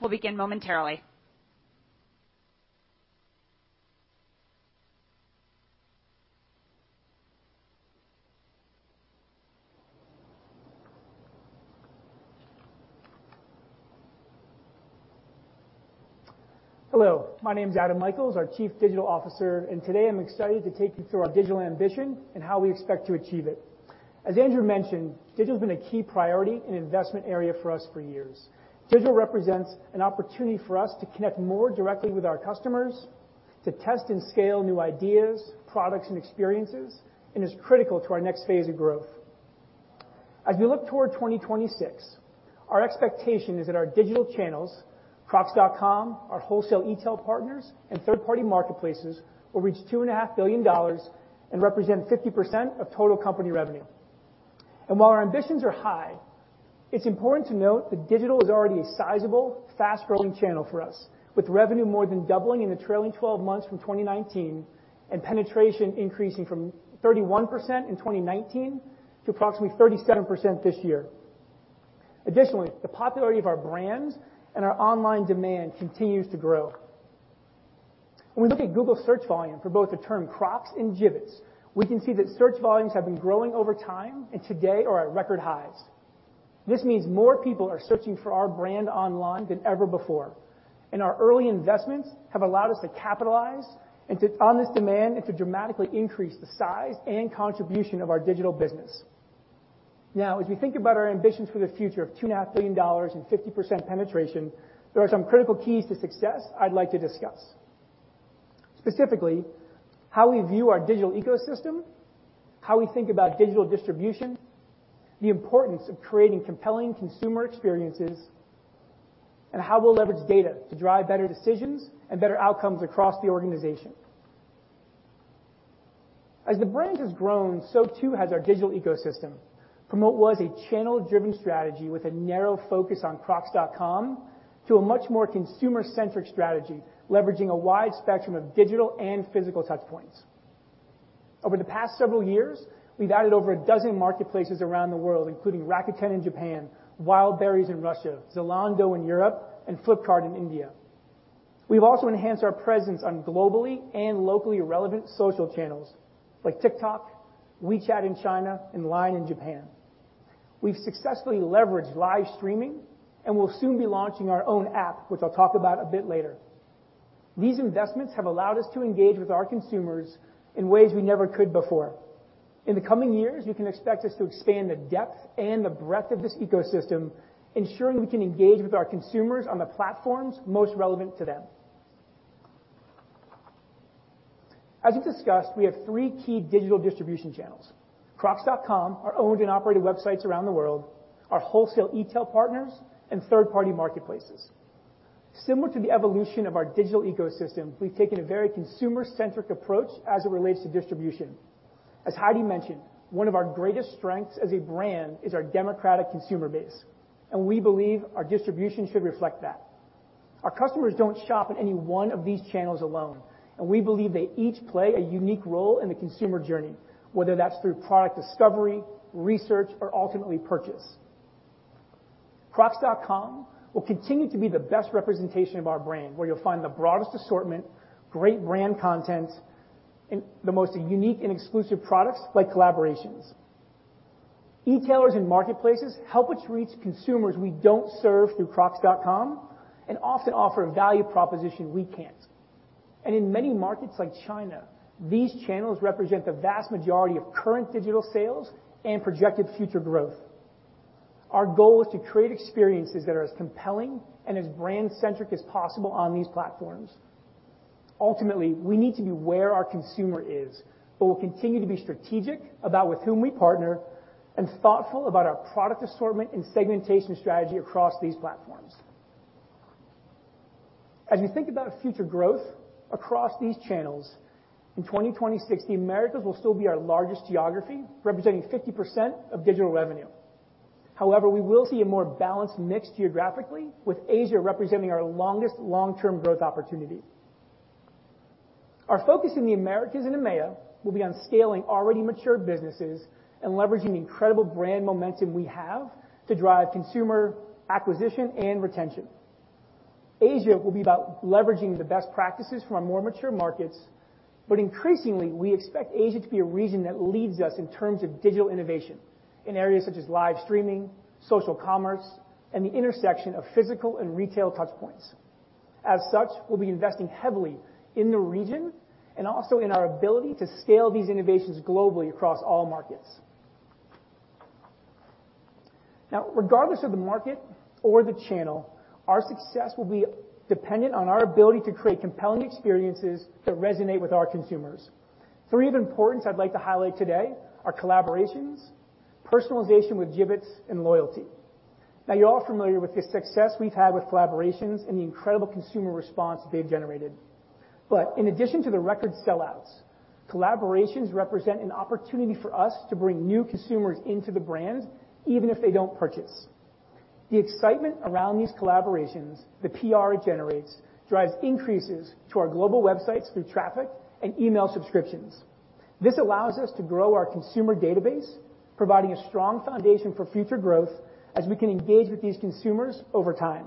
S5: We'll begin momentarily.
S6: Hello. My name is Adam Michaels, our Chief Digital Officer, today I'm excited to take you through our digital ambition and how we expect to achieve it. As Andrew mentioned, digital has been a key priority and investment area for us for years. Digital represents an opportunity for us to connect more directly with our customers, to test and scale new ideas, products, and experiences, and is critical to our next phase of growth. As we look toward 2026, our expectation is that our digital channels, crocs.com, our wholesale e-tail partners, and third-party marketplaces will reach $2.5 billion and represent 50% of total company revenue. While our ambitions are high, it's important to note that digital is already a sizable, fast-growing channel for us, with revenue more than doubling in the trailing 12 months from 2019, and penetration increasing from 31% in 2019 to approximately 37% this year. Additionally, the popularity of our brands and our online demand continues to grow. When we look at Google search volume for both the term Crocs and Jibbitz, we can see that search volumes have been growing over time and today are at record highs. This means more people are searching for our brand online than ever before, and our early investments have allowed us to capitalize on this demand and to dramatically increase the size and contribution of our digital business. Now, as we think about our ambitions for the future of $2.5 billion and 50% penetration, there are some critical keys to success I'd like to discuss. Specifically, how we view our digital ecosystem, how we think about digital distribution, the importance of creating compelling consumer experiences, and how we'll leverage data to drive better decisions and better outcomes across the organization. As the brand has grown, so too has our digital ecosystem. From what was a channel-driven strategy with a narrow focus on crocs.com to a much more consumer-centric strategy, leveraging a wide spectrum of digital and physical touch points. Over the past several years, we've added over 12 marketplaces around the world, including Rakuten in Japan, Wildberries in Russia, Zalando in Europe, and Flipkart in India. We've also enhanced our presence on globally and locally relevant social channels like TikTok, WeChat in China, and LINE in Japan. We've successfully leveraged live streaming and will soon be launching our own app, which I'll talk about a bit later. These investments have allowed us to engage with our consumers in ways we never could before. In the coming years, you can expect us to expand the depth and the breadth of this ecosystem, ensuring we can engage with our consumers on the platforms most relevant to them. As we've discussed, we have three key digital distribution channels: crocs.com, our owned and operated websites around the world, our wholesale e-tail partners, and third-party marketplaces. Similar to the evolution of our digital ecosystem, we've taken a very consumer-centric approach as it relates to distribution. As Heidi mentioned, one of our greatest strengths as a brand is our democratic consumer base, and we believe our distribution should reflect that. Our customers don't shop in any one of these channels alone, and we believe they each play a unique role in the consumer journey, whether that's through product discovery, research, or ultimately purchase. crocs.com will continue to be the best representation of our brand, where you'll find the broadest assortment, great brand content, and the most unique and exclusive products, like collaborations. E-tailers and marketplaces help us reach consumers we don't serve through crocs.com and often offer a value proposition we can't. In many markets like China, these channels represent the vast majority of current digital sales and projected future growth. Our goal is to create experiences that are as compelling and as brand-centric as possible on these platforms. Ultimately, we need to be where our consumer is, but we'll continue to be strategic about with whom we partner and thoughtful about our product assortment and segmentation strategy across these platforms. As we think about future growth across these channels, in 2026, the Americas will still be our largest geography, representing 50% of digital revenue. We will see a more balanced mix geographically, with Asia representing our longest long-term growth opportunity. Our focus in the Americas and EMEA will be on scaling already mature businesses and leveraging the incredible brand momentum we have to drive consumer acquisition and retention. Asia will be about leveraging the best practices from our more mature markets, increasingly, we expect Asia to be a region that leads us in terms of digital innovation in areas such as live streaming, social commerce, and the intersection of physical and retail touch points. We'll be investing heavily in the region and also in our ability to scale these innovations globally across all markets. Regardless of the market or the channel, our success will be dependent on our ability to create compelling experiences that resonate with our consumers. Three of importance I'd like to highlight today are collaborations, personalization with Jibbitz, and loyalty. Now, you're all familiar with the success we've had with collaborations and the incredible consumer response they've generated. In addition to the record sellouts, collaborations represent an opportunity for us to bring new consumers into the brand, even if they don't purchase. The excitement around these collaborations, the PR it generates, drives increases to our global websites through traffic and email subscriptions. This allows us to grow our consumer database, providing a strong foundation for future growth as we can engage with these consumers over time.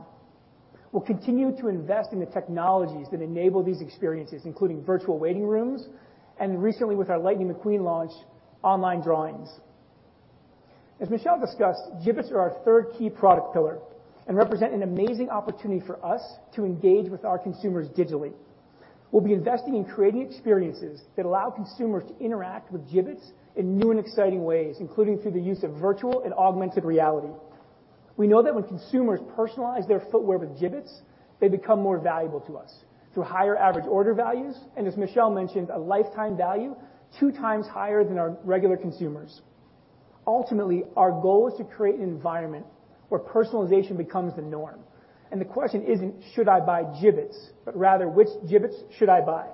S6: We'll continue to invest in the technologies that enable these experiences, including virtual waiting rooms, and recently with our Lightning McQueen launch, online drawings. As Michelle discussed, Jibbitz are our third key product pillar and represent an amazing opportunity for us to engage with our consumers digitally. We'll be investing in creating experiences that allow consumers to interact with Jibbitz in new and exciting ways, including through the use of virtual and augmented reality. We know that when consumers personalize their footwear with Jibbitz, they become more valuable to us through higher average order values, and as Michelle mentioned, a lifetime value two times higher than our regular consumers. Ultimately, our goal is to create an environment where personalization becomes the norm. The question isn't, should I buy Jibbitz? Rather, which Jibbitz should I buy?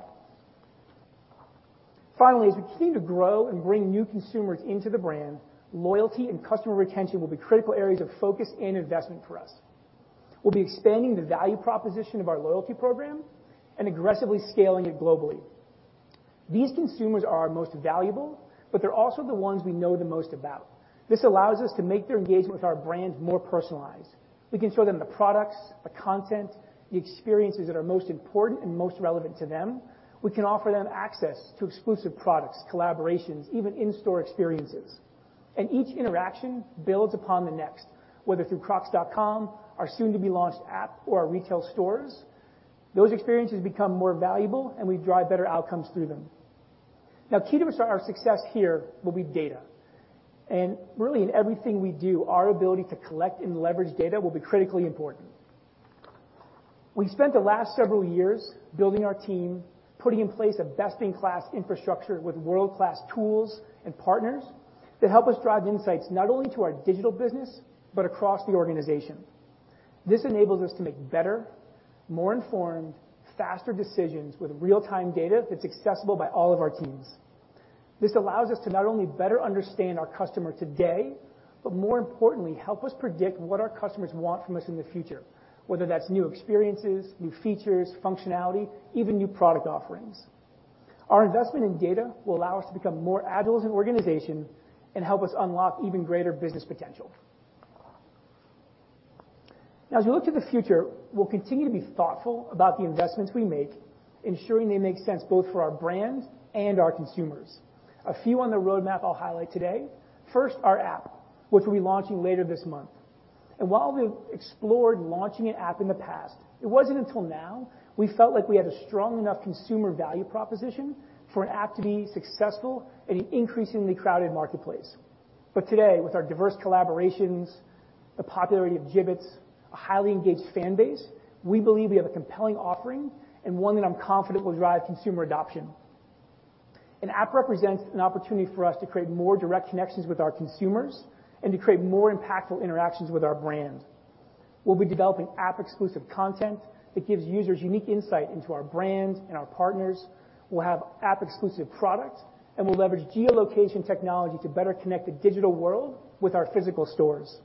S6: Finally, as we continue to grow and bring new consumers into the brand, loyalty and customer retention will be critical areas of focus and investment for us. We'll be expanding the value proposition of our loyalty program and aggressively scaling it globally. These consumers are our most valuable, but they're also the ones we know the most about. This allows us to make their engagement with our brand more personalized. We can show them the products, the content, the experiences that are most important and most relevant to them. We can offer them access to exclusive products, collaborations, even in-store experiences. Each interaction builds upon the next, whether through crocs.com, our soon-to-be-launched app, or our retail stores. Those experiences become more valuable, and we drive better outcomes through them. Now, key to our success here will be data. Really, in everything we do, our ability to collect and leverage data will be critically important. We spent the last several years building our team, putting in place a best-in-class infrastructure with world-class tools and partners that help us drive insights not only to our digital business, but across the organization. This enables us to make better, more informed, faster decisions with real-time data that's accessible by all of our teams. This allows us to not only better understand our customer today, but more importantly, help us predict what our customers want from us in the future, whether that's new experiences, new features, functionality, even new product offerings. Our investment in data will allow us to become more agile as an organization and help us unlock even greater business potential. Now, as we look to the future, we'll continue to be thoughtful about the investments we make, ensuring they make sense both for our brand and our consumers. A few on the roadmap I'll highlight today. First, our app, which we'll be launching later this month. While we've explored launching an app in the past, it wasn't until now we felt like we had a strong enough consumer value proposition for an app to be successful in an increasingly crowded marketplace. Today, with our diverse collaborations, the popularity of Jibbitz, a highly engaged fan base, we believe we have a compelling offering and one that I'm confident will drive consumer adoption. An app represents an opportunity for us to create more direct connections with our consumers and to create more impactful interactions with our brand. We'll be developing app-exclusive content that gives users unique insight into our brand and our partners. We'll have app-exclusive products, and we'll leverage geolocation technology to better connect the digital world with our physical stores.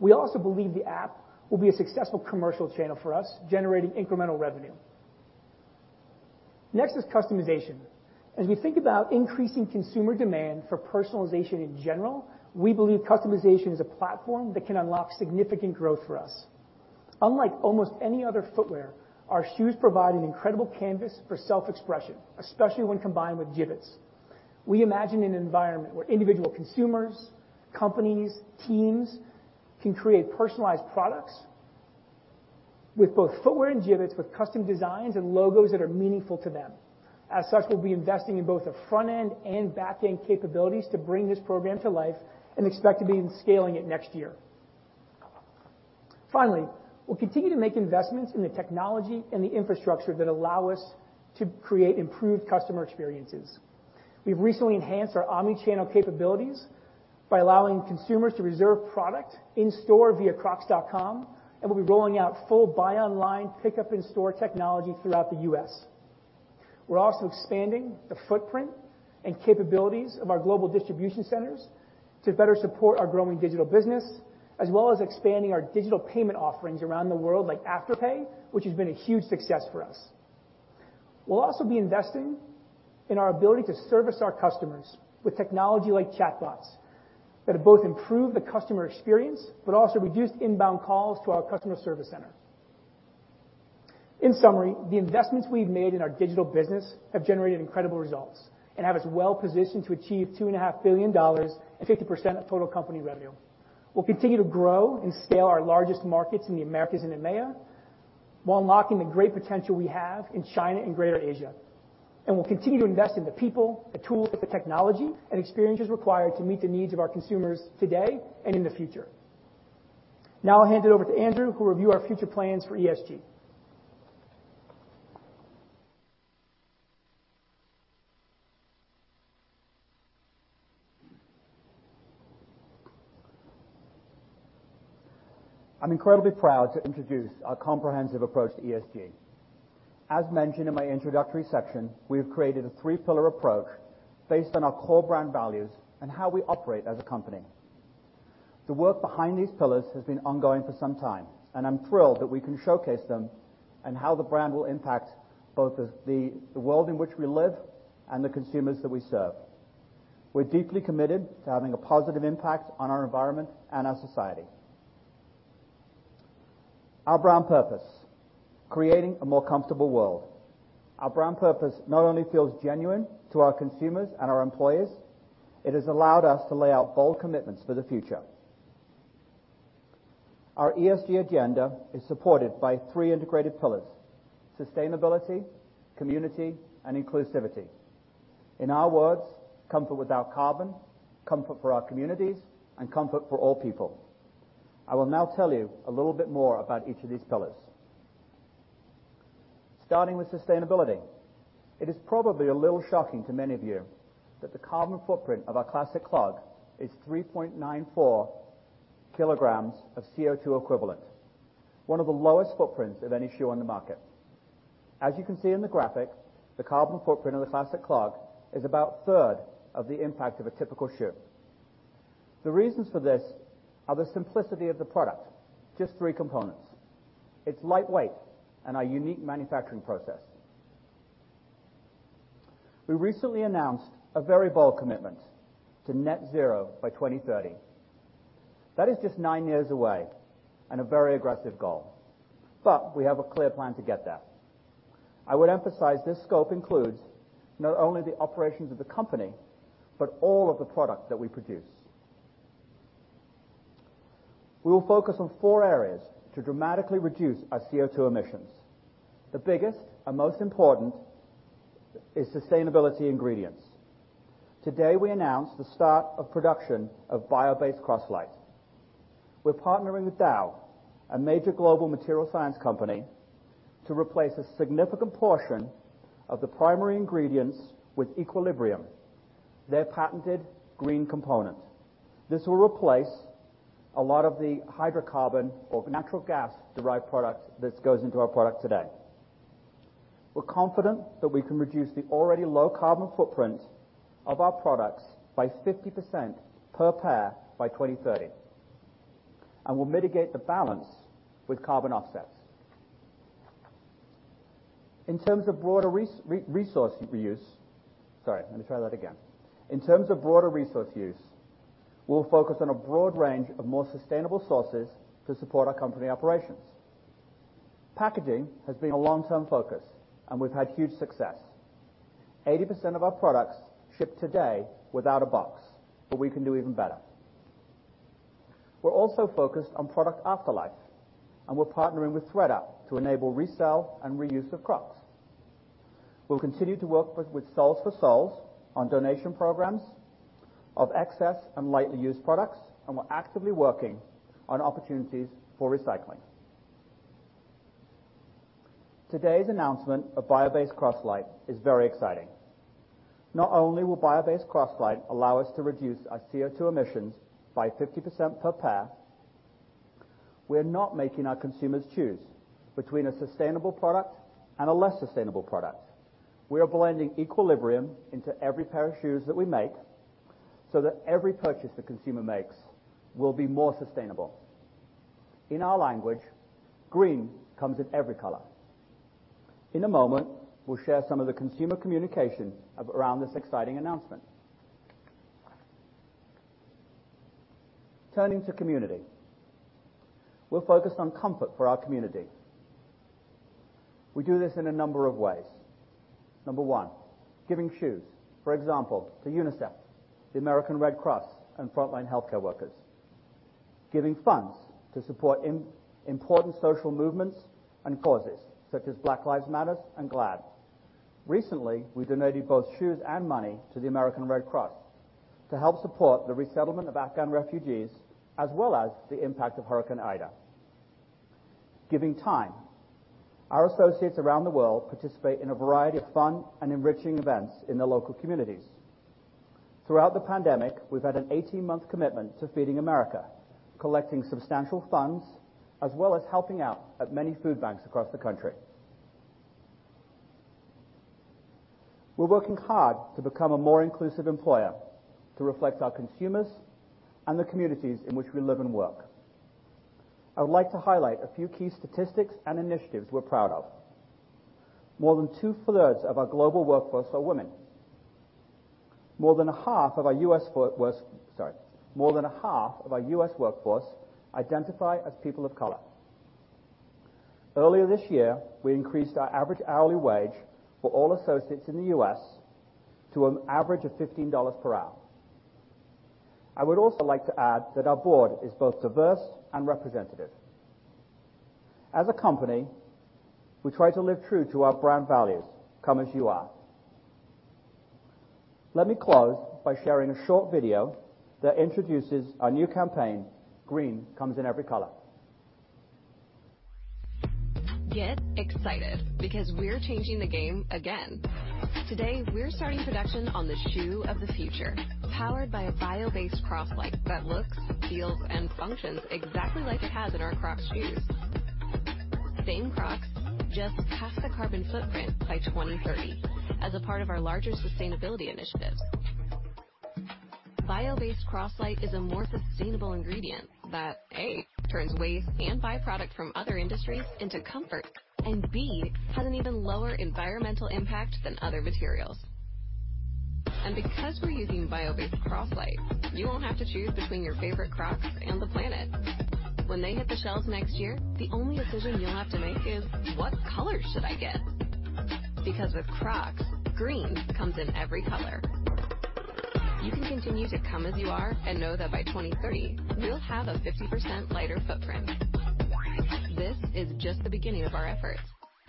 S6: We also believe the app will be a successful commercial channel for us, generating incremental revenue. Next is customization. As we think about increasing consumer demand for personalization in general, we believe customization is a platform that can unlock significant growth for us. Unlike almost any other footwear, our shoes provide an incredible canvas for self-expression, especially when combined with Jibbitz. We imagine an environment where individual consumers, companies, teams, can create personalized products with both footwear and Jibbitz, with custom designs and logos that are meaningful to them. As such, we'll be investing in both the front-end and back-end capabilities to bring this program to life and expect to be scaling it next year. Finally, we'll continue to make investments in the technology and the infrastructure that allow us to create improved customer experiences. We've recently enhanced our omni-channel capabilities by allowing consumers to reserve product in store via crocs.com, and we'll be rolling out full buy online, pickup in-store technology throughout the U.S. We're also expanding the footprint and capabilities of our global distribution centers to better support our growing digital business, as well as expanding our digital payment offerings around the world, like Afterpay, which has been a huge success for us. We'll also be investing in our ability to service our customers with technology like chatbots that have both improved the customer experience but also reduced inbound calls to our customer service center. In summary, the investments we've made in our digital business have generated incredible results and have us well-positioned to achieve $2.5 billion and 50% of total company revenue. We'll continue to grow and scale our largest markets in the Americas and EMEA while unlocking the great potential we have in China and Greater Asia. We'll continue to invest in the people, the tools, and the technology and experiences required to meet the needs of our consumers today and in the future. Now I'll hand it over to Andrew, who will review our future plans for ESG.
S1: I'm incredibly proud to introduce our comprehensive approach to ESG. As mentioned in my introductory section, we have created a 3-pillar approach based on our core brand values and how we operate as a company. The work behind these pillars has been ongoing for some time, and I'm thrilled that we can showcase them and how the brand will impact both the world in which we live and the consumers that we serve. We're deeply committed to having a positive impact on our environment and our society. Our brand purpose: creating a more comfortable world. Our brand purpose not only feels genuine to our consumers and our employees, it has allowed us to lay out bold commitments for the future. Our ESG agenda is supported by 3 integrated pillars, sustainability, community, and inclusivity. In our words, comfort without carbon, comfort for our communities, and comfort for all people. I will now tell you a little bit more about each of these pillars. Starting with sustainability. It is probably a little shocking to many of you that the carbon footprint of our Classic Clog is 3.94 kg of CO2 equivalent, one of the lowest footprints of any shoe on the market. As you can see in the graphic, the carbon footprint of the Classic Clog is about a third of the impact of a typical shoe. The reasons for this are the simplicity of the product, just 3 components, its light weight, and our unique manufacturing process. We recently announced a very bold commitment to net zero by 2030. That is just 9 years away and a very aggressive goal, but we have a clear plan to get there. I would emphasize this scope includes not only the operations of the company, but all of the product that we produce. We will focus on four areas to dramatically reduce our CO2 emissions. The biggest and most important is sustainability ingredients. Today, we announce the start of production of bio-based Croslite. We're partnering with Dow, a major global material science company, to replace a significant portion of the primary ingredients with ECOLIBRIUM, their patented green component. This will replace a lot of the hydrocarbon or natural gas-derived product that goes into our product today. We're confident that we can reduce the already low carbon footprint of our products by 50% per pair by 2030, and we'll mitigate the balance with carbon offsets. In terms of broader resource use, we'll focus on a broad range of more sustainable sources to support our company operations. Packaging has been a long-term focus, and we've had huge success. 80% of our products ship today without a box, but we can do even better. We're also focused on product afterlife, and we're partnering with ThredUp to enable resell and reuse of Crocs. We'll continue to work with Soles4Souls on donation programs of excess and lightly used products, and we're actively working on opportunities for recycling. Today's announcement of bio-based Croslite is very exciting. Not only will bio-based Croslite allow us to reduce our CO2 emissions by 50% per pair, we're not making our consumers choose between a sustainable product and a less sustainable product. We are blending ECOLIBRIUM into every pair of shoes that we make so that every purchase the consumer makes will be more sustainable. In our language, green comes in every color. In a moment, we'll share some of the consumer communication around this exciting announcement. Turning to community. We're focused on comfort for our community. We do this in a number of ways. Number 1, giving shoes. For example, to UNICEF, the American Red Cross, and frontline healthcare workers. Giving funds to support important social movements and causes such as Black Lives Matter and GLAAD. Recently, we donated both shoes and money to the American Red Cross to help support the resettlement of Afghan refugees, as well as the impact of Hurricane Ida. Giving time. Our associates around the world participate in a variety of fun and enriching events in their local communities. Throughout the pandemic, we've had an 18-month commitment to Feeding America, collecting substantial funds, as well as helping out at many food banks across the country. We're working hard to become a more inclusive employer to reflect our consumers and the communities in which we live and work. I would like to highlight a few key statistics and initiatives we're proud of. More than two-thirds of our global workforce are women. More than half of our U.S. workforce identify as people of color. Earlier this year, we increased our average hourly wage for all associates in the U.S. to an average of $15 per hour. I would also like to add that our board is both diverse and representative. As a company, we try to live true to our brand values, Come As You Are. Let me close by sharing a short video that introduces our new campaign, Green Comes in Every Color.
S4: Get excited because we're changing the game again. Today, we're starting production on the shoe of the future, powered by a bio-based Croslite that looks, feels, and functions exactly like it has in our Crocs shoes. Same Crocs, just half the carbon footprint by 2030 as a part of our larger sustainability initiative. Bio-based Croslite is a more sustainable ingredient that, A, turns waste and by-product from other industries into comfort, and B, has an even lower environmental impact than other materials. Because we're using bio-based Croslite, you won't have to choose between your favorite Crocs and the planet. When they hit the shelves next year, the only decision you'll have to make is, "What color should I get?" With Crocs, green comes in every color. You can continue to Come As You Are and know that by 2030, we'll have a 50% lighter footprint. This is just the beginning of our effort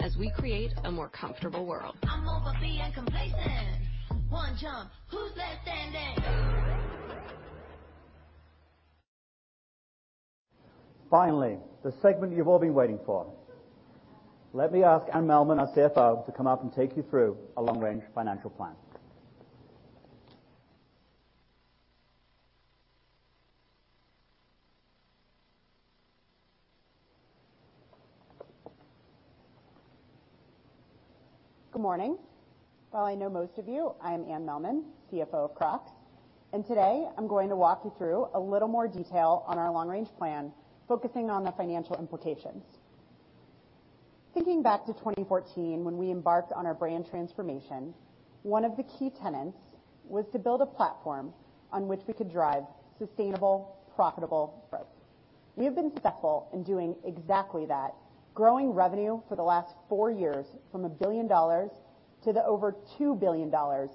S4: as we create a more comfortable world. I'm over being complacent. One jump, who's left standing?
S1: Finally, the segment you've all been waiting for. Let me ask Anne Mehlman, our CFO, to come up and take you through our long-range financial plan.
S7: Good morning. While I know most of you, I am Anne Mehlman, CFO of Crocs, and today I'm going to walk you through a little more detail on our long-range plan, focusing on the financial implications. Thinking back to 2014 when we embarked on our brand transformation, one of the key tenets was to build a platform on which we could drive sustainable, profitable growth. Successful in doing exactly that, growing revenue for the last 4 years from $1 billion to the over $2 billion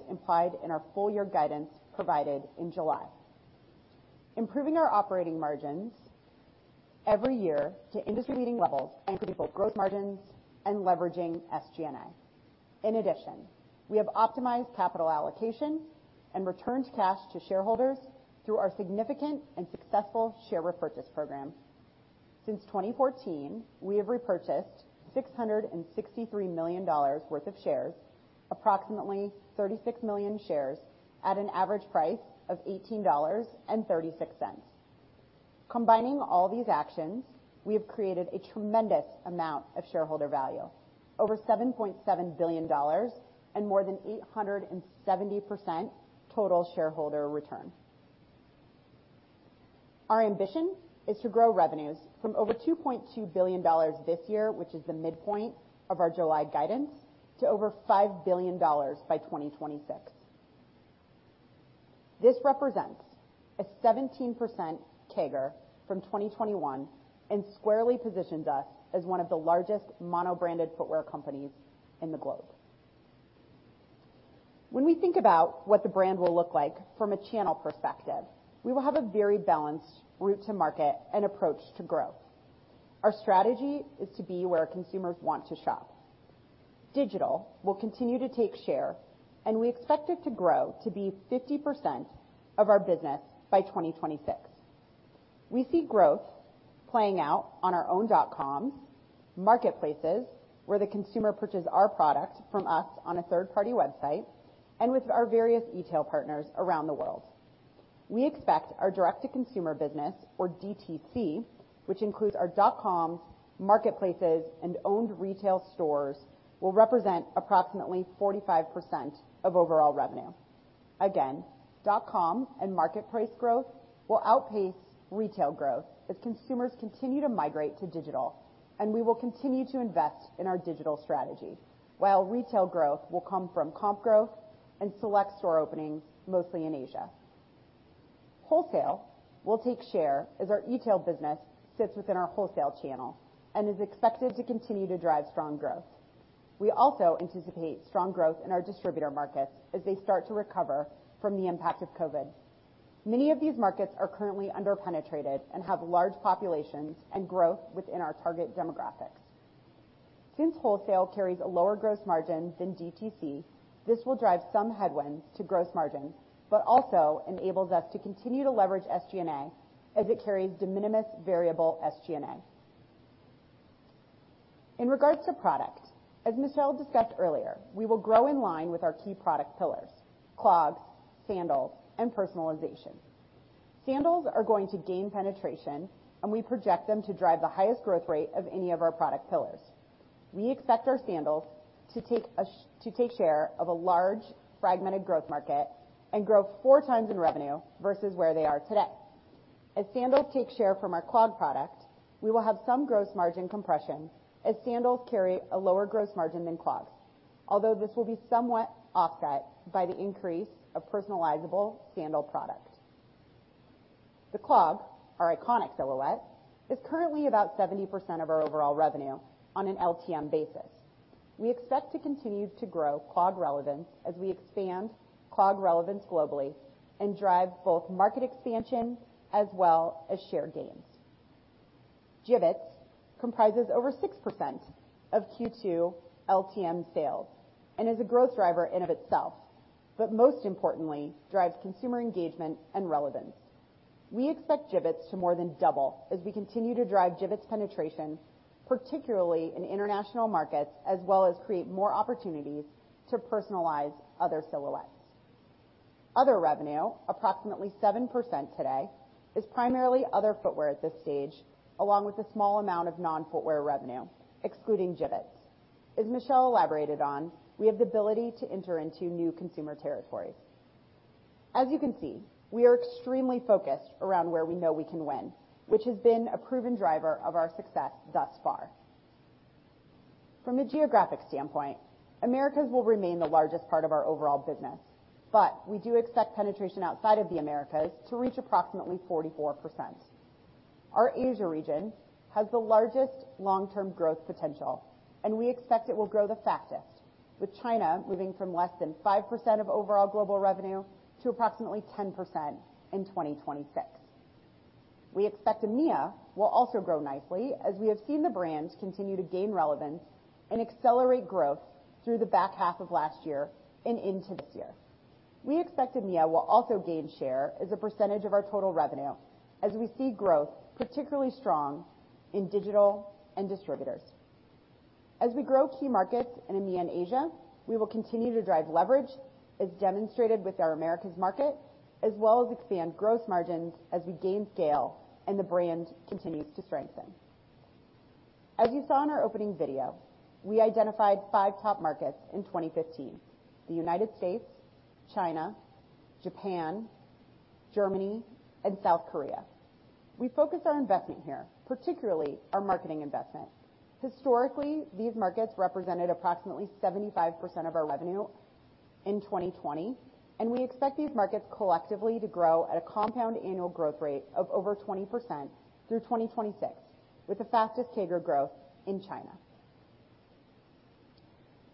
S7: implied in our full year guidance provided in July. Improving our operating margins every year to industry leading levels and triple gross margins and leveraging SG&A. In addition, we have optimized capital allocation and returned cash to shareholders through our significant and successful share repurchase program. Since 2014, we have repurchased $663 million worth of shares, approximately 36 million shares at an average price of $18.36. Combining all these actions, we have created a tremendous amount of shareholder value, over $7.7 billion and more than 870% total shareholder return. Our ambition is to grow revenues from over $2.2 billion this year, which is the midpoint of our July guidance, to over $5 billion by 2026. This represents a 17% CAGR from 2021 and squarely positions us as one of the largest mono-branded footwear companies in the globe. When we think about what the brand will look like from a channel perspective, we will have a very balanced route to market and approach to growth. Digital will continue to take share, and we expect it to grow to be 50% of our business by 2026. We see growth playing out on our own dotcoms, marketplaces, where the consumer purchases our product from us on a third-party website, and with our various e-tail partners around the world. We expect our direct-to-consumer business or DTC, which includes our dotcoms, marketplaces, and owned retail stores will represent approximately 45% of overall revenue. Again, .com And marketplace growth will outpace retail growth as consumers continue to migrate to digital, and we will continue to invest in our digital strategy. While retail growth will come from comp growth and select store openings, mostly in Asia. Wholesale will take share as our e-tail business sits within our wholesale channel and is expected to continue to drive strong growth. We also anticipate strong growth in our distributor markets as they start to recover from the impact of COVID. Many of these markets are currently under-penetrated and have large populations and growth within our target demographics. Since wholesale carries a lower gross margin than DTC, this will drive some headwinds to gross margin, but also enables us to continue to leverage SG&A as it carries de minimis variable SG&A. In regards to product, as Michelle discussed earlier, we will grow in line with our key product pillars: clogs, sandals, and personalization. Sandals are going to gain penetration, and we project them to drive the highest growth rate of any of our product pillars. We expect our sandals to take share of a large fragmented growth market and grow 4 times in revenue versus where they are today. As sandals take share from our clog product, we will have some gross margin compression as sandals carry a lower gross margin than clogs. This will be somewhat offset by the increase of personalizable sandal product. The clog, our iconic silhouette, is currently about 70% of our overall revenue on an LTM basis. We expect to continue to grow clog relevance as we expand clog relevance globally and drive both market expansion as well as share gains. Jibbitz comprises over 6% of Q2 LTM sales and is a growth driver in of itself, but most importantly, drives consumer engagement and relevance. We expect Jibbitz to more than double as we continue to drive Jibbitz penetration, particularly in international markets, as well as create more opportunities to personalize other silhouettes. Other revenue, approximately 7% today, is primarily other footwear at this stage, along with a small amount of non-footwear revenue, excluding Jibbitz. As Michelle elaborated on, we have the ability to enter into new consumer territories. As you can see, we are extremely focused around where we know we can win, which has been a proven driver of our success thus far. From a geographic standpoint, Americas will remain the largest part of our overall business. We do expect penetration outside of the Americas to reach approximately 44%. Our Asia region has the largest long-term growth potential. We expect it will grow the fastest, with China moving from less than 5% of overall global revenue to approximately 10% in 2026. We expect EMEA will also grow nicely as we have seen the brand continue to gain relevance and accelerate growth through the back half of last year and into this year. We expect EMEA will also gain share as a percentage of our total revenue as we see growth particularly strong in digital and distributors. As we grow key markets in EMEA and Asia, we will continue to drive leverage as demonstrated with our Americas market, as well as expand gross margins as we gain scale and the brand continues to strengthen. As you saw in our opening video, we identified 5 top markets in 2015: the United States, China, Japan, Germany, and South Korea. We focused our investment here, particularly our marketing investment. Historically, these markets represented approximately 75% of our revenue. In 2020, we expect these markets collectively to grow at a compound annual growth rate of over 20% through 2026, with the fastest CAGR growth in China.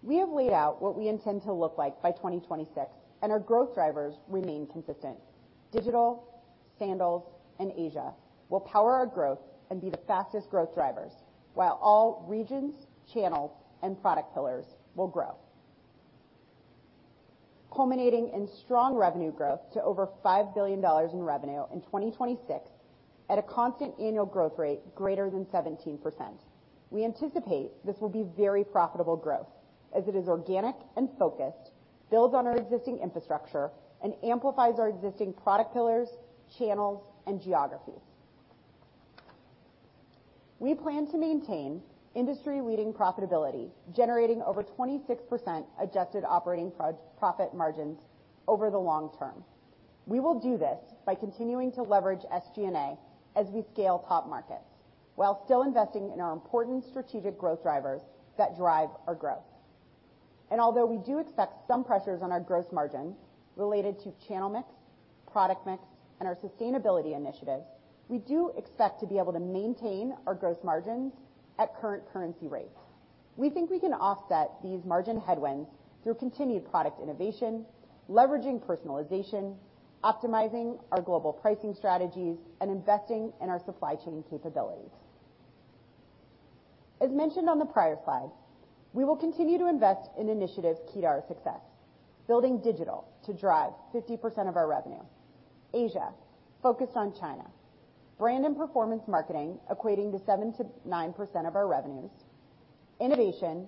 S7: We have laid out what we intend to look like by 2026, and our growth drivers remain consistent. Digital, sandals, and Asia will power our growth and be the fastest growth drivers, while all regions, channels, and product pillars will grow, culminating in strong revenue growth to over $5 billion in revenue in 2026 at a constant annual growth rate greater than 17%. We anticipate this will be very profitable growth, as it is organic and focused, builds on our existing infrastructure, and amplifies our existing product pillars, channels, and geographies. We plan to maintain industry-leading profitability, generating over 26% adjusted operating profit margins over the long term. We will do this by continuing to leverage SG&A as we scale top markets while still investing in our important strategic growth drivers that drive our growth. Although we do expect some pressures on our gross margin related to channel mix, product mix, and our sustainability initiatives, we do expect to be able to maintain our gross margins at current currency rates. We think we can offset these margin headwinds through continued product innovation, leveraging personalization, optimizing our global pricing strategies, and investing in our supply chain capabilities. As mentioned on the prior slide, we will continue to invest in initiatives key to our success. Building digital to drive 50% of our revenue. Asia, focused on China. Brand and performance marketing equating to 7%-9% of our revenues. Innovation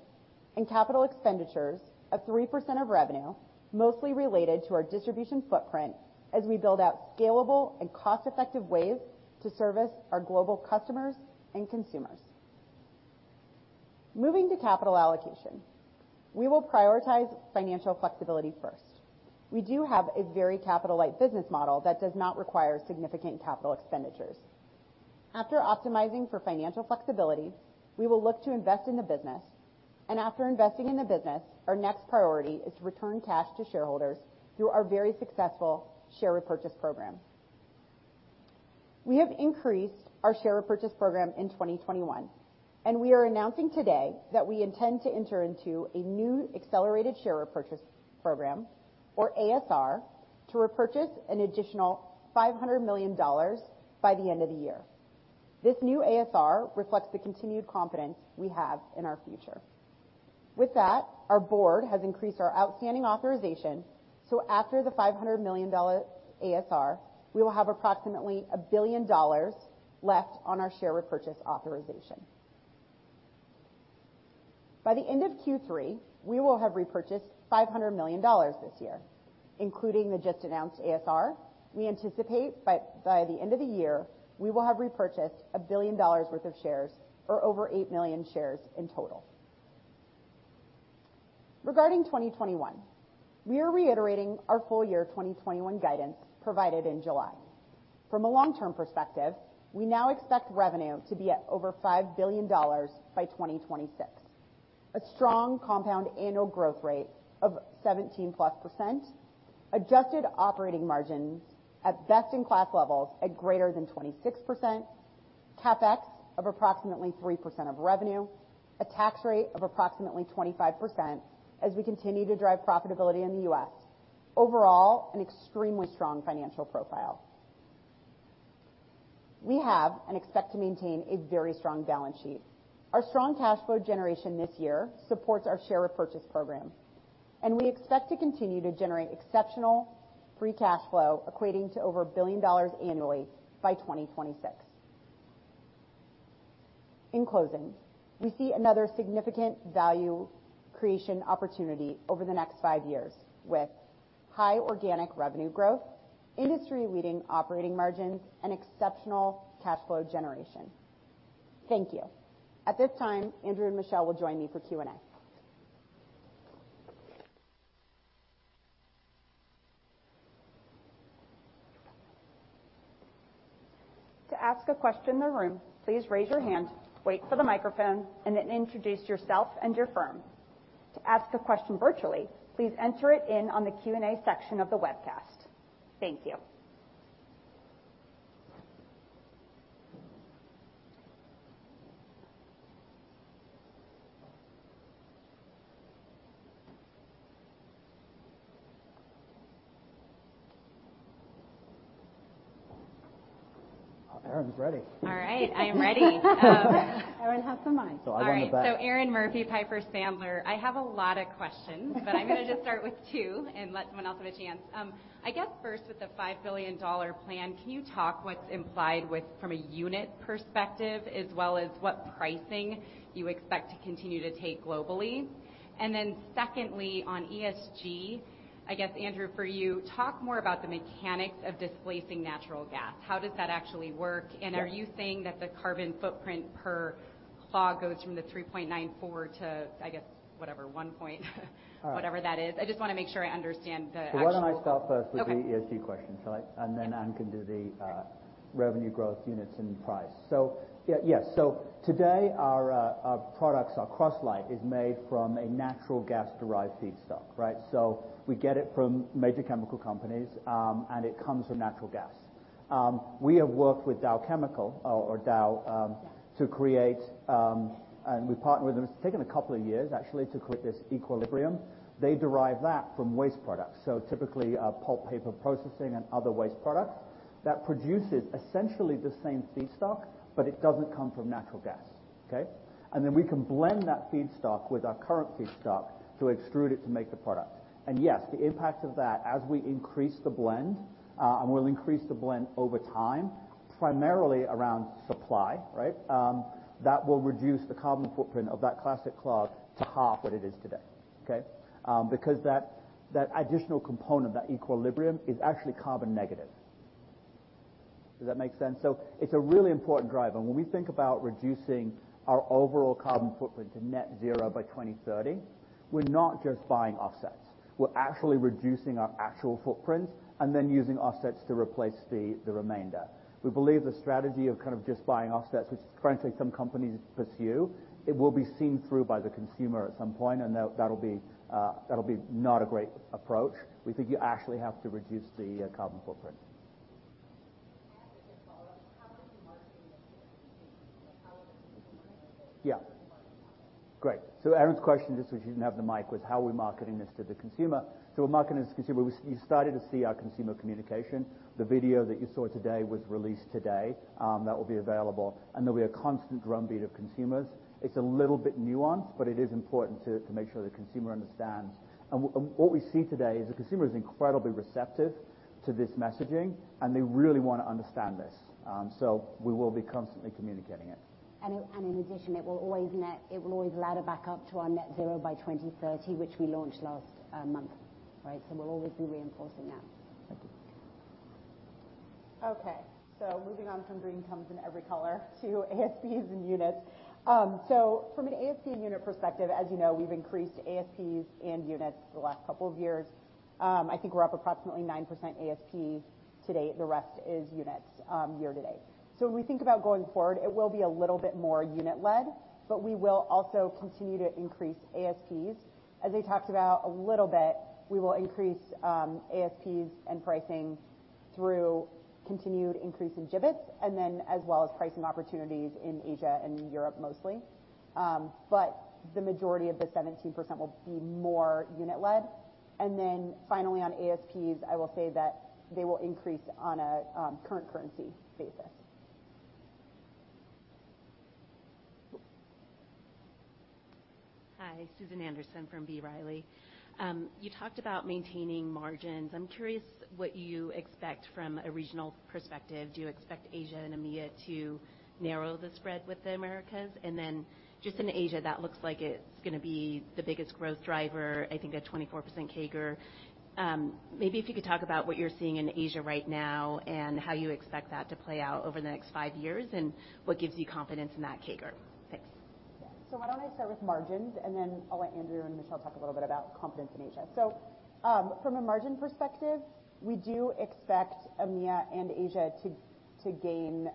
S7: and capital expenditures of 3% of revenue, mostly related to our distribution footprint as we build out scalable and cost-effective ways to service our global customers and consumers. Moving to capital allocation, we will prioritize financial flexibility first. We do have a very capital-light business model that does not require significant capital expenditures. After optimizing for financial flexibility, we will look to invest in the business. After investing in the business, our next priority is to return cash to shareholders through our very successful share repurchase program. We have increased our share repurchase program in 2021, and we are announcing today that we intend to enter into a new accelerated share repurchase program, or ASR, to repurchase an additional $500 million by the end of the year. This new ASR reflects the continued confidence we have in our future. With that, our board has increased our outstanding authorization, so after the $500 million ASR, we will have approximately $1 billion left on our share repurchase authorization. By the end of Q3, we will have repurchased $500 million this year, including the just-announced ASR. We anticipate by the end of the year, we will have repurchased $1 billion worth of shares, or over 8 million shares in total. Regarding 2021, we are reiterating our full year 2021 guidance provided in July. From a long-term perspective, we now expect revenue to be at over $5 billion by 2026. A strong compound annual growth rate of +17%, adjusted operating margins at best-in-class levels at greater than 26%, CapEx of approximately 3% of revenue, a tax rate of approximately 25% as we continue to drive profitability in the U.S. Overall, an extremely strong financial profile. We have and expect to maintain a very strong balance sheet. Our strong cash flow generation this year supports our share repurchase program. We expect to continue to generate exceptional free cash flow equating to over $1 billion annually by 2026. In closing, we see another significant value creation opportunity over the next five years with high organic revenue growth, industry-leading operating margins, and exceptional cash flow generation. Thank you. At this time, Andrew and Michelle will join me for Q&A.
S5: To ask a question in the room, please raise your hand, wait for the microphone, and then introduce yourself and your firm. To ask a question virtually, please enter it in on the Q&A section of the webcast. Thank you.
S1: Erinn's ready.
S8: All right, I am ready.
S2: Erinn, have some mic.
S1: I'll go in the back.
S8: All right. Erinn Murphy, Piper Sandler. I have a lot of questions, but I'm going to just start with two and let someone else have a chance. I guess, first, with the $5 billion plan, can you talk what's implied from a unit perspective, as well as what pricing you expect to continue to take globally? Secondly, on ESG, I guess, Andrew, for you, talk more about the mechanics of displacing natural gas. How does that actually work?
S1: Yeah.
S8: Are you saying that the carbon footprint per clog goes from the 3.94 to, I guess, whatever, one point?
S1: All right.
S8: Whatever that is. I just want to make sure I understand the actual-
S1: Why don't I start first with.
S8: Okay.
S1: ESG question. Then Anne can do the revenue growth units and price. Yes. Today, our products, our Croslite, is made from a natural gas-derived feedstock. We get it from major chemical companies, and it comes from natural gas. We have worked with Dow-
S7: Yeah.
S1: -to create. We partner with them. It's taken a couple of years, actually, to create this ECOLIBRIUM. They derive that from waste products. Typically, pulp paper processing and other waste products. That produces essentially the same feedstock. It doesn't come from natural gas. Okay? We can blend that feedstock with our current feedstock to extrude it to make the product. Yes, the impact of that, as we increase the blend, and we'll increase the blend over time, primarily around supply. That will reduce the carbon footprint of that Classic Clog to half what it is today. Okay? Because that additional component, that ECOLIBRIUM, is actually carbon negative. Does that make sense? It's a really important driver. When we think about reducing our overall carbon footprint to net zero by 2030, we're not just buying offsets. We're actually reducing our actual footprint and then using offsets to replace the remainder. We believe the strategy of just buying offsets, which frankly some companies pursue, it will be seen through by the consumer at some point, and that'll be not a great approach. We think you actually have to reduce the carbon footprint.
S8: As a follow-up, how is the marketing mix changing?
S1: Yeah.
S8: Marketing products?
S1: Great. Erinn's question, just so she didn't have the mic, was how are we marketing this to the consumer. We're marketing this to the consumer. You've started to see our consumer communication. The video that you saw today was released today. That will be available, and there'll be a constant drumbeat of consumers. It's a little bit nuanced, but it is important to make sure the consumer understands. What we see today is the consumer is incredibly receptive to this messaging, and they really want to understand this. We will be constantly communicating it.
S3: In addition, it will always ladder back up to our net zero by 2030, which we launched last month. We'll always be reinforcing that.
S7: Moving on from green comes in every color to ASPs and units. From an ASP unit perspective, as you know, we've increased ASPs and units the last couple of years. I think we're up approximately 9% ASP to-date. The rest is units year-to-date. When we think about going forward, it will be a little bit more unit led, but we will also continue to increase ASPs. As I talked about a little bit, we will increase ASPs and pricing through continued increase in Jibbitz, and then as well as pricing opportunities in Asia and Europe mostly. The majority of the 17% will be more unit led. Finally on ASPs, I will say that they will increase on a current currency basis.
S9: Hi, Susan Anderson from B. Riley. You talked about maintaining margins. I'm curious what you expect from a regional perspective. Do you expect Asia and EMEA to narrow the spread with the Americas? Then just in Asia, that looks like it's going to be the biggest growth driver, I think a 24% CAGR. Maybe if you could talk about what you're seeing in Asia right now, and how you expect that to play out over the next 5 years, and what gives you confidence in that CAGR.
S7: Thanks. Why don't I start with margins, and then I'll let Andrew and Michelle talk a little bit about confidence in Asia. From a margin perspective, we do expect EMEA and Asia to gain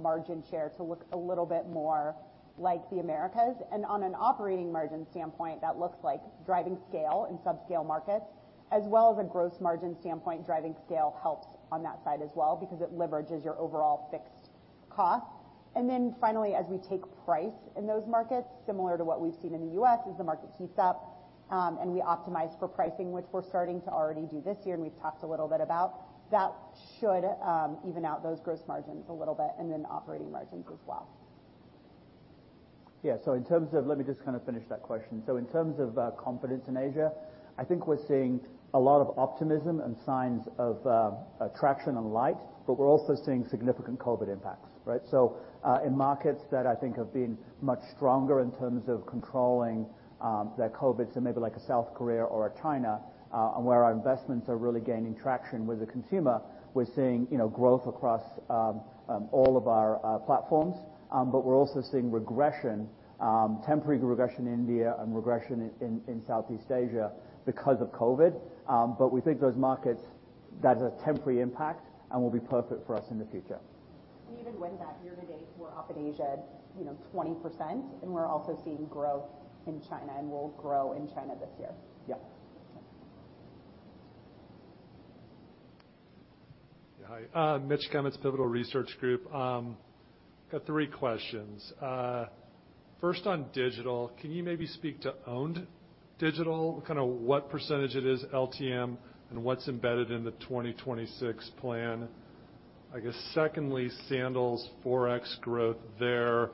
S7: margin share to look a little bit more like the Americas. On an operating margin standpoint, that looks like driving scale in subscale markets, as well as a gross margin standpoint, driving scale helps on that side as well because it leverages your overall fixed cost. Finally, as we take price in those markets, similar to what we've seen in the U.S., as the market heats up, and we optimize for pricing, which we're starting to already do this year and we've talked a little bit about, that should even out those gross margins a little bit, and then operating margins as well.
S1: Yeah, let me just finish that question. In terms of confidence in Asia, I think we're seeing a lot of optimism and signs of traction and light, but we're also seeing significant COVID impacts. In markets that I think have been much stronger in terms of controlling their COVID, maybe like a South Korea or a China, and where our investments are really gaining traction with the consumer, we're seeing growth across all of our platforms. We're also seeing regression, temporary regression in India and regression in Southeast Asia because of COVID. We think those markets, that is a temporary impact and will be perfect for us in the future.
S2: Even when that year to date, we're up in Asia 20%. We're also seeing growth in China. We'll grow in China this year.
S1: Yeah.
S9: Thanks.
S10: Yeah, hi. Mitch Kummetz, Pivotal Research Group. Got 3 questions. On digital, can you maybe speak to owned digital? What % it is LTM, and what's embedded in the 2026 plan? Sandals, forex growth there.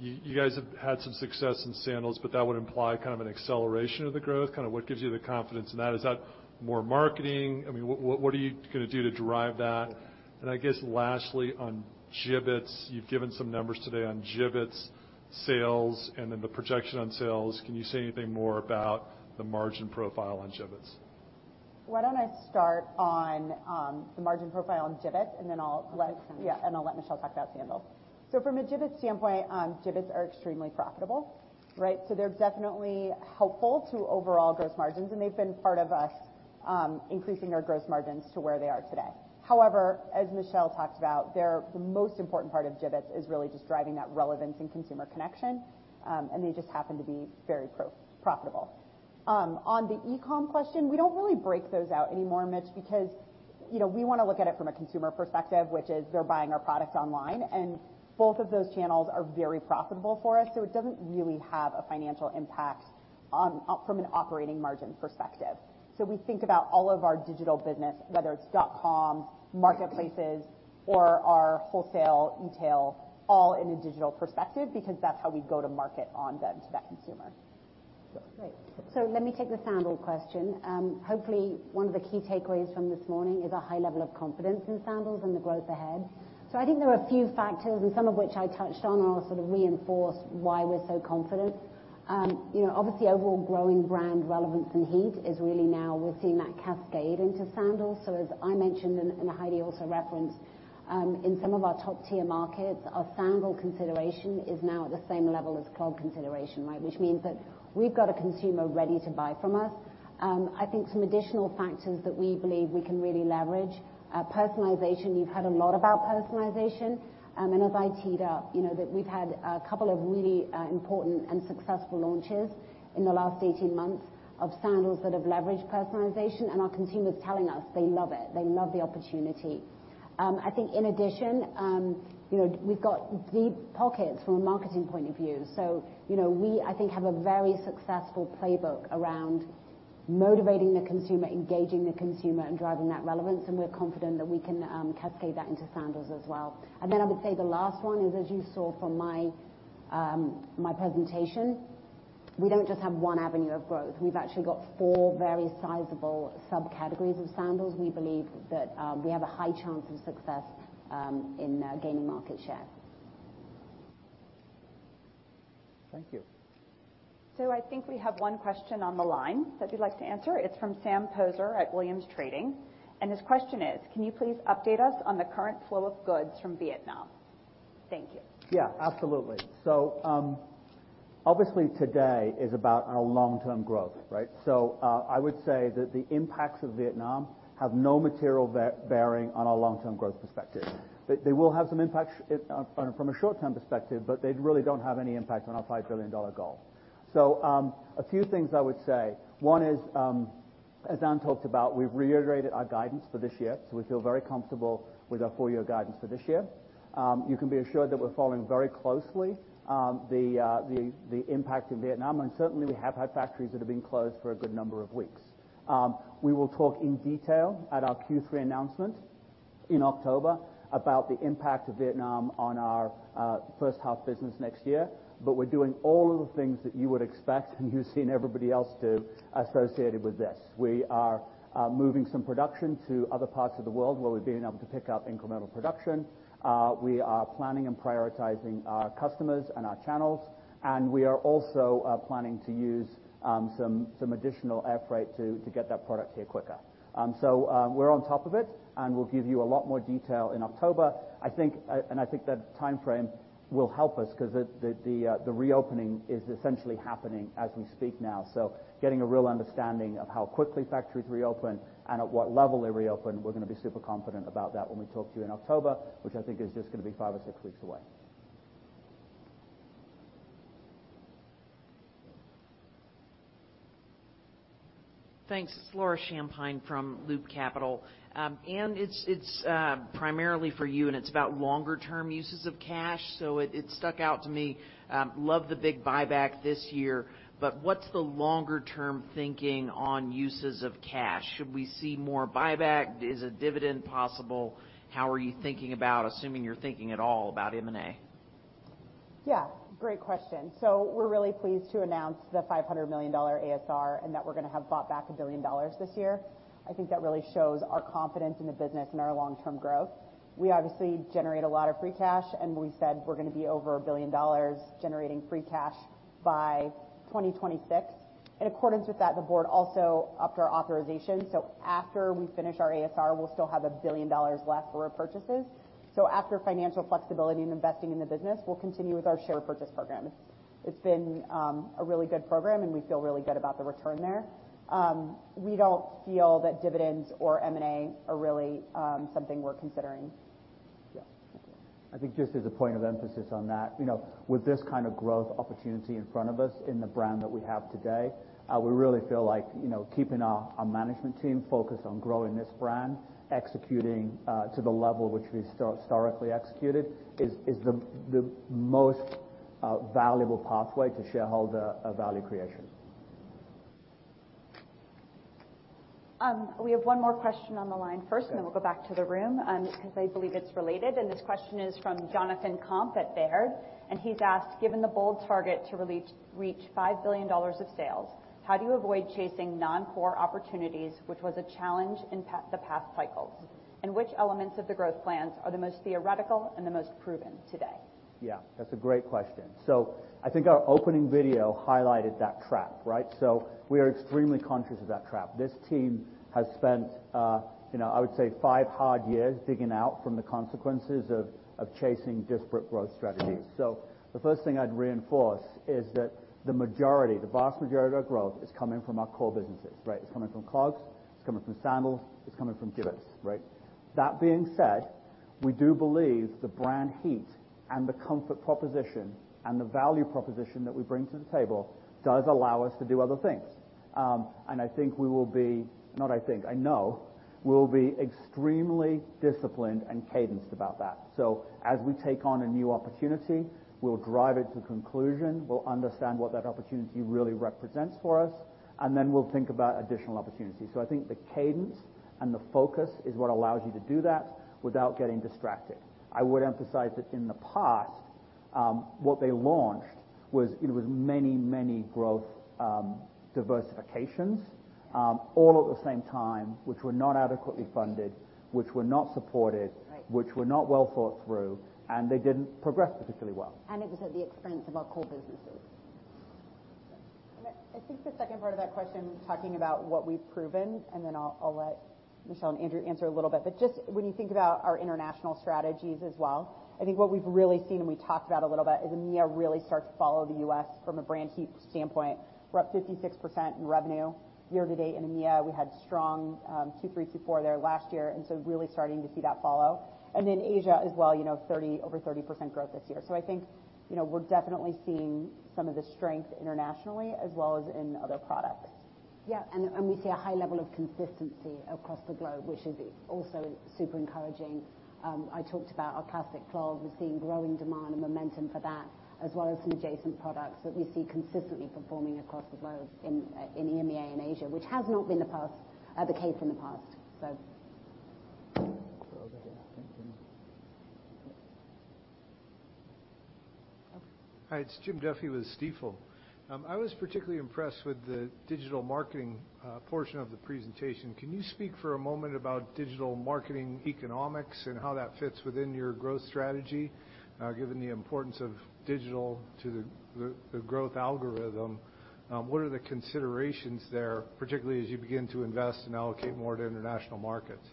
S10: You guys have had some success in sandals, that would imply an acceleration of the growth. What gives you the confidence in that? Is that more marketing? What are you going to do to drive that? On Jibbitz, you've given some numbers today on Jibbitz sales and then the projection on sales. Can you say anything more about the margin profile on Jibbitz?
S7: Why don't I start on the margin profile on Jibbitz, and then I'll.
S2: I'll take sandals.
S7: Yeah, I'll let Michelle talk about sandals. From a Jibbitz standpoint, Jibbitz are extremely profitable. They're definitely helpful to overall gross margins, and they've been part of us increasing our gross margins to where they are today. However, as Michelle talked about, the most important part of Jibbitz is really just driving that relevance and consumer connection, and they just happen to be very profitable. On the e-com question, we don't really break those out anymore, Mitch, because we want to look at it from a consumer perspective, which is they're buying our product online, and both of those channels are very profitable for us. It doesn't really have a financial impact from an operating margin perspective. We think about all of our digital business, whether it's crocs.com, marketplaces, or our wholesale, e-tail, all in a digital perspective, because that's how we go to market on them to that consumer.
S2: Great. Let me take the sandal question. Hopefully, one of the key takeaways from this morning is a high level of confidence in sandals and the growth ahead. I think there are a few factors, and some of which I touched on, and I'll sort of reinforce why we're so confident. Obviously, overall growing brand relevance and heat is really now we're seeing that cascade into sandals. As I mentioned, and Heidi also referenced, in some of our top-tier markets, our sandal consideration is now at the same level as clog consideration, which means that we've got a consumer ready to buy from us. I think some additional factors that we believe we can really leverage. Personalization, you've heard a lot about personalization. As I teed up, that we've had a couple of really important and successful launches in the last 18 months of sandals that have leveraged personalization, and our consumers telling us they love it. They love the opportunity. I think in addition, we've got deep pockets from a marketing point of view. We, I think, have a very successful playbook around motivating the consumer, engaging the consumer, and driving that relevance, and we're confident that we can cascade that into sandals as well. I would say the last one is, as you saw from my presentation, we don't just have one avenue of growth. We've actually got four very sizable subcategories of sandals. We believe that we have a high chance of success in gaining market share.
S10: Thank you.
S11: I think we have one question on the line that you'd like to answer. It's from Sam Poser at Williams Trading, and his question is: "Can you please update us on the current flow of goods from Vietnam? Thank you.
S1: Yeah, absolutely. Obviously today is about our long-term growth. I would say that the impacts of Vietnam have no material bearing on our long-term growth perspective. They will have some impact from a short-term perspective, but they really don't have any impact on our $5 billion goal. A few things I would say. One is, as Anne talked about, we've reiterated our guidance for this year, so we feel very comfortable with our full-year guidance for this year. You can be assured that we're following very closely the impact in Vietnam, and certainly we have had factories that have been closed for a good number of weeks. We will talk in detail at our Q3 announcement in October about the impact of Vietnam on our first half business next year. We are doing all of the things that you would expect, and you've seen everybody else do associated with this. We are moving some production to other parts of the world where we've been able to pick up incremental production. We are planning and prioritizing our customers and our channels, and we are also planning to use some additional air freight to get that product here quicker. We're on top of it, and we'll give you a lot more detail in October. I think the timeframe will help us because the reopening is essentially happening as we speak now. Getting a real understanding of how quickly factories reopen and at what level they reopen, we're going to be super confident about that when we talk to you in October, which I think is just going to be five or six weeks away.
S12: Thanks. It's Laura Champine from Loop Capital. Anne, it's primarily for you, and it's about longer-term uses of cash. It stuck out to me. Love the big buyback this year, but what's the longer-term thinking on uses of cash? Should we see more buyback? Is a dividend possible? How are you thinking about, assuming you're thinking at all, about M&A?
S7: Great question. We're really pleased to announce the $500 million ASR and that we're going to have bought back $1 billion this year. I think that really shows our confidence in the business and our long-term growth. We obviously generate a lot of free cash, and we said we're going to be over $1 billion generating free cash by 2026. In accordance with that, the board also upped our authorization, after we finish our ASR, we'll still have $1 billion left for purchases. After financial flexibility and investing in the business, we'll continue with our share purchase program. It's been a really good program, and we feel really good about the return there. We don't feel that dividends or M&A are really something we're considering.
S1: I think just as a point of emphasis on that, with this kind of growth opportunity in front of us in the brand that we have today, we really feel like keeping our management team focused on growing this brand, executing to the level which we've historically executed is the most valuable pathway to shareholder value creation.
S11: We have one more question on the line first, then we'll go back to the room, because I believe it's related. This question is from Jonathan Komp at Baird, and he's asked, "Given the bold target to reach $5 billion of sales, how do you avoid chasing non-core opportunities, which was a challenge in the past cycles? Which elements of the growth plans are the most theoretical and the most proven today?
S1: Yeah, that's a great question. I think our opening video highlighted that trap, right? We are extremely conscious of that trap. This team has spent, I would say, five hard years digging out from the consequences of chasing disparate growth strategies. The first thing I'd reinforce is that the vast majority of our growth is coming from our core businesses, right? It's coming from clogs, it's coming from sandals, it's coming from Jibbitz, right? That being said, we do believe the brand heat and the comfort proposition and the value proposition that we bring to the table does allow us to do other things. I know we'll be extremely disciplined and cadenced about that. As we take on a new opportunity, we'll drive it to conclusion, we'll understand what that opportunity really represents for us, and then we'll think about additional opportunities. I think the cadence and the focus is what allows you to do that without getting distracted. I would emphasize that in the past, what they launched was many growth diversifications, all at the same time, which were not adequately funded, which were not supported.
S2: Right.
S1: Which were not well thought through, and they didn't progress particularly well.
S2: It was at the expense of our core businesses.
S7: I think the second part of that question, talking about what we've proven, then I'll let Michelle and Andrew answer a little bit. Just when you think about our international strategies as well, I think what we've really seen, and we talked about a little bit, is EMEA really start to follow the U.S. from a brand heat standpoint. We're up 56% in revenue year-to-date in EMEA. We had strong Q3, Q4 there last year, really starting to see that follow. Asia as well, over 30% growth this year. I think we're definitely seeing some of the strength internationally as well as in other products.
S2: Yeah. We see a high level of consistency across the globe, which is also super encouraging. I talked about our Classic Clog. We're seeing growing demand and momentum for that, as well as some adjacent products that we see consistently performing across the globe in EMEA and Asia, which has not been the case in the past.
S1: Over there. Thank you.
S2: Okay.
S13: Hi, it's Jim Duffy with Stifel. I was particularly impressed with the digital marketing portion of the presentation. Can you speak for a moment about digital marketing economics and how that fits within your growth strategy? Given the importance of digital to the growth algorithm, what are the considerations there, particularly as you begin to invest and allocate more to international markets?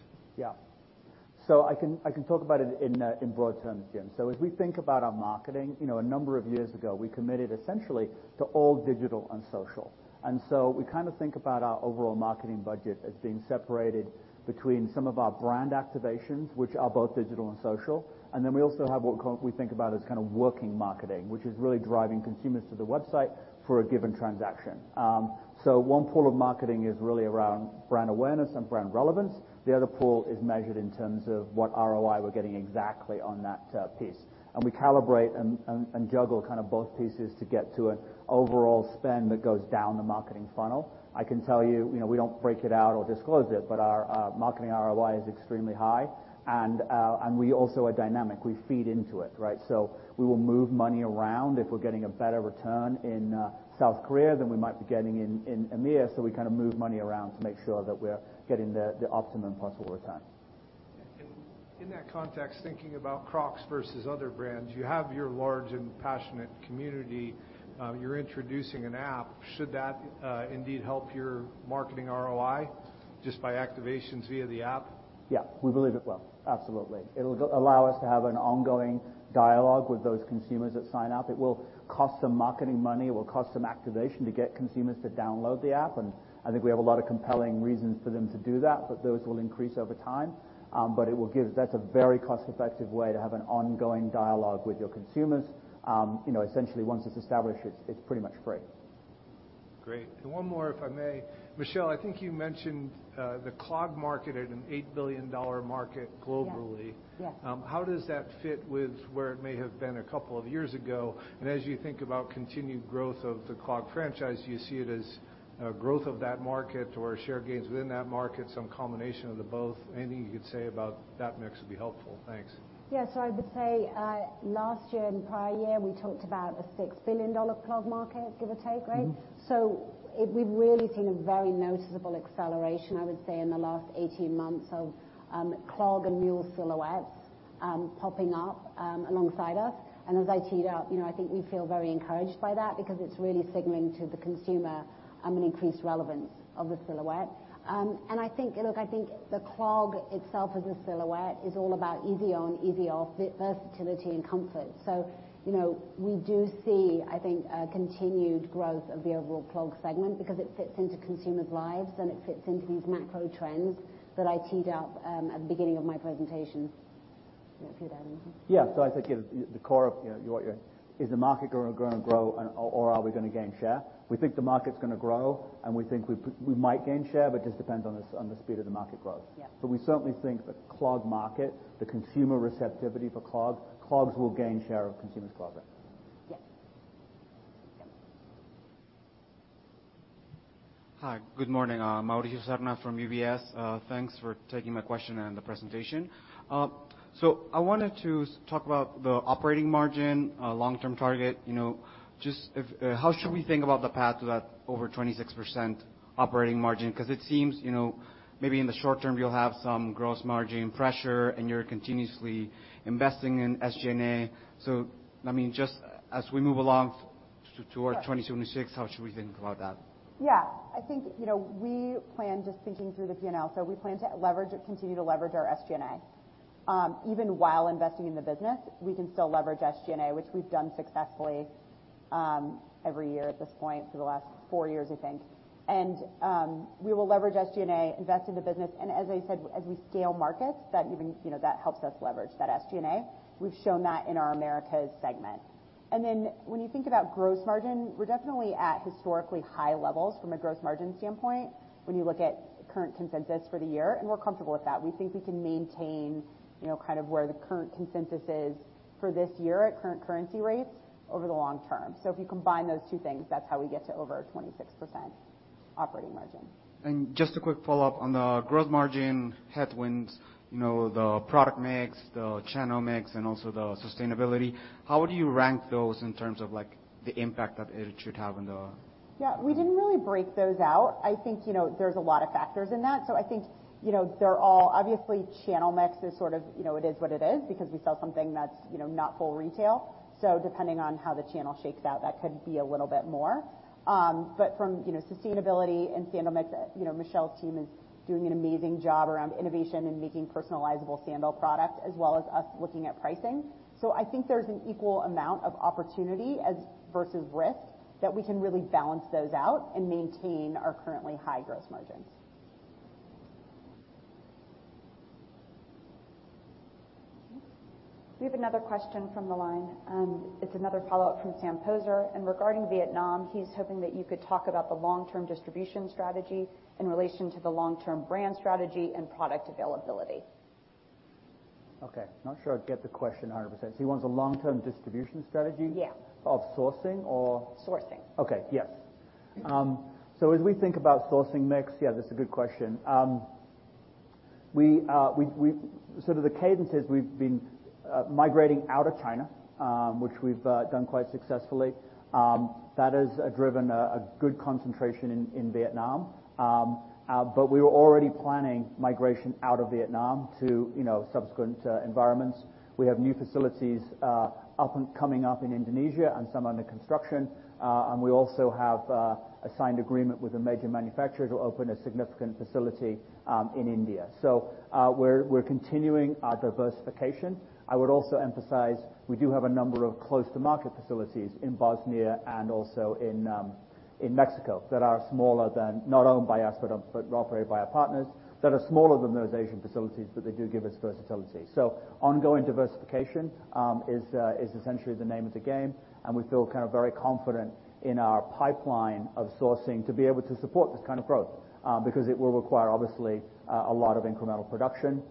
S1: Yeah. I can talk about it in broad terms, Jim. As we think about our marketing, a number of years ago, we committed essentially to all digital and social. We think about our overall marketing budget as being separated between some of our brand activations, which are both digital and social. We also have what we think about as working marketing, which is really driving consumers to the website for a given transaction. One pool of marketing is really around brand awareness and brand relevance. The other pool is measured in terms of what ROI we're getting exactly on that piece. We calibrate and juggle both pieces to get to an overall spend that goes down the marketing funnel. I can tell you, we don't break it out or disclose it, but our marketing ROI is extremely high, and we also are dynamic. We feed into it, right? We will move money around if we're getting a better return in South Korea than we might be getting in EMEA. We move money around to make sure that we're getting the optimum possible return.
S13: In that context, thinking about Crocs versus other brands, you have your large and passionate community. You're introducing an app. Should that indeed help your marketing ROI just by activations via the app?
S1: Yeah, we believe it will, absolutely. It'll allow us to have an ongoing dialogue with those consumers that sign up. It will cost some marketing money. It will cost some activation to get consumers to download the app, and I think we have a lot of compelling reasons for them to do that, but those will increase over time. That's a very cost-effective way to have an ongoing dialogue with your consumers. Essentially, once it's established, it's pretty much free.
S13: Great. 1 more, if I may. Michelle, I think you mentioned the clog market at an $8 billion market globally.
S2: Yeah.
S13: How does that fit with where it may have been a couple of years ago? As you think about continued growth of the clog franchise, do you see it as growth of that market or share gains within that market, some combination of the both? Anything you could say about that mix would be helpful. Thanks.
S2: Yeah, I would say, last year and prior year, we talked about a $6 billion clog market, give or take, right? We've really seen a very noticeable acceleration, I would say, in the last 18 months of clog and mule silhouettes popping up alongside us. As I teed up, I think we feel very encouraged by that because it's really signaling to the consumer an increased relevance of the silhouette. I think the clog itself as a silhouette is all about easy on, easy off, versatility, and comfort. We do see, I think, a continued growth of the overall clog segment because it fits into consumers' lives and it fits into these macro trends that I teed up at the beginning of my presentation. Want to add anything?
S1: Yeah. I think the core of what is the market going to grow or are we going to gain share? We think the market's going to grow, and we think we might gain share, but just depends on the speed of the market growth.
S2: Yeah.
S1: We certainly think the clog market, the consumer receptivity for clogs will gain share of consumers' closet.
S14: Hi, good morning. Mauricio Serna from UBS. Thanks for taking my question and the presentation. I wanted to talk about the operating margin long-term target. Just how should we think about the path to that over 26% operating margin? Because it seems, maybe in the short term, you'll have some gross margin pressure, and you're continuously investing in SG&A. I mean, just as we move along toward 2026, how should we think about that?
S7: Just thinking through the P&L, we plan to continue to leverage our SG&A. Even while investing in the business, we can still leverage SG&A, which we've done successfully every year at this point for the last four years, I think. We will leverage SG&A, invest in the business, and as I said, as we scale markets, that helps us leverage that SG&A. We've shown that in our Americas Segment. When you think about gross margin, we're definitely at historically high levels from a gross margin standpoint when you look at current consensus for the year, and we're comfortable with that. We think we can maintain kind of where the current consensus is for this year at current currency rates over the long term. If you combine those two things, that's how we get to over a 26% operating margin.
S14: Just a quick follow-up on the gross margin headwinds, the product mix, the channel mix, and also the sustainability. How would you rank those in terms of the impact that it should have on the-?
S7: Yeah, we didn't really break those out. I think there's a lot of factors in that. I think, obviously channel mix is sort of, it is what it is, because we sell something that's not full retail. Depending on how the channel shakes out, that could be a little bit more. From sustainability and sandal mix, Michelle's team is doing an amazing job around innovation and making personalizable sandal product as well as us looking at pricing. I think there's an equal amount of opportunity versus risk that we can really balance those out and maintain our currently high gross margins.
S11: We have another question from the line. It's another follow-up from Sam Poser, and regarding Vietnam, he's hoping that you could talk about the long-term distribution strategy in relation to the long-term brand strategy and product availability.
S1: Okay. Not sure I get the question 100%. He wants a long-term distribution strategy?
S11: Yeah.
S1: Of sourcing or-
S11: Sourcing.
S1: Okay. Yes. As we think about sourcing mix, that's a good question. Sort of the cadence is we've been migrating out of China, which we've done quite successfully. That has driven a good concentration in Vietnam. We were already planning migration out of Vietnam to subsequent environments. We have new facilities coming up in Indonesia and some under construction. We also have a signed agreement with a major manufacturer to open a significant facility in India. We're continuing our diversification. I would also emphasize, we do have a number of close-to-market facilities in Bosnia and also in Mexico that are smaller than, not owned by us, but are operated by our partners, that are smaller than those Asian facilities, but they do give us versatility. Ongoing diversification is essentially the name of the game, and we feel kind of very confident in our pipeline of sourcing to be able to support this kind of growth, because it will require, obviously, a lot of incremental production.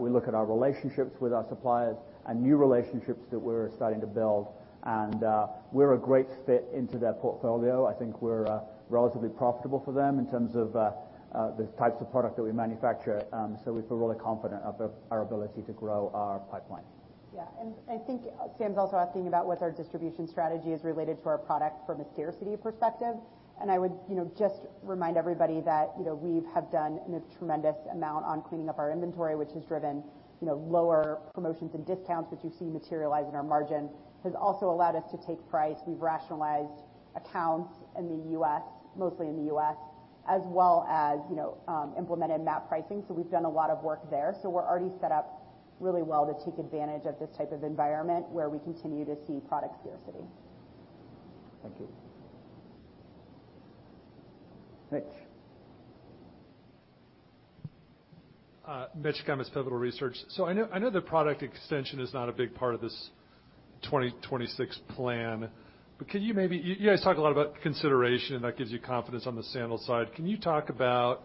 S1: We look at our relationships with our suppliers and new relationships that we're starting to build, and we're a great fit into their portfolio. I think we're relatively profitable for them in terms of the types of product that we manufacture. We feel really confident about our ability to grow our pipeline.
S7: Yeah. I think Sam's also asking about what our distribution strategy is related to our product from a scarcity perspective. I would just remind everybody that we have done a tremendous amount on cleaning up our inventory, which has driven lower promotions and discounts, which you've seen materialize in our margin. Has also allowed us to take price. We've rationalized accounts in the U.S., mostly in the U.S., as well as implemented MAP pricing. We've done a lot of work there. We're already set up really well to take advantage of this type of environment where we continue to see product scarcity.
S1: Thank you. Mitch.
S10: I know that product extension is not a big part of this 2026 plan, but you guys talk a lot about consideration, and that gives you confidence on the sandal side. Can you talk about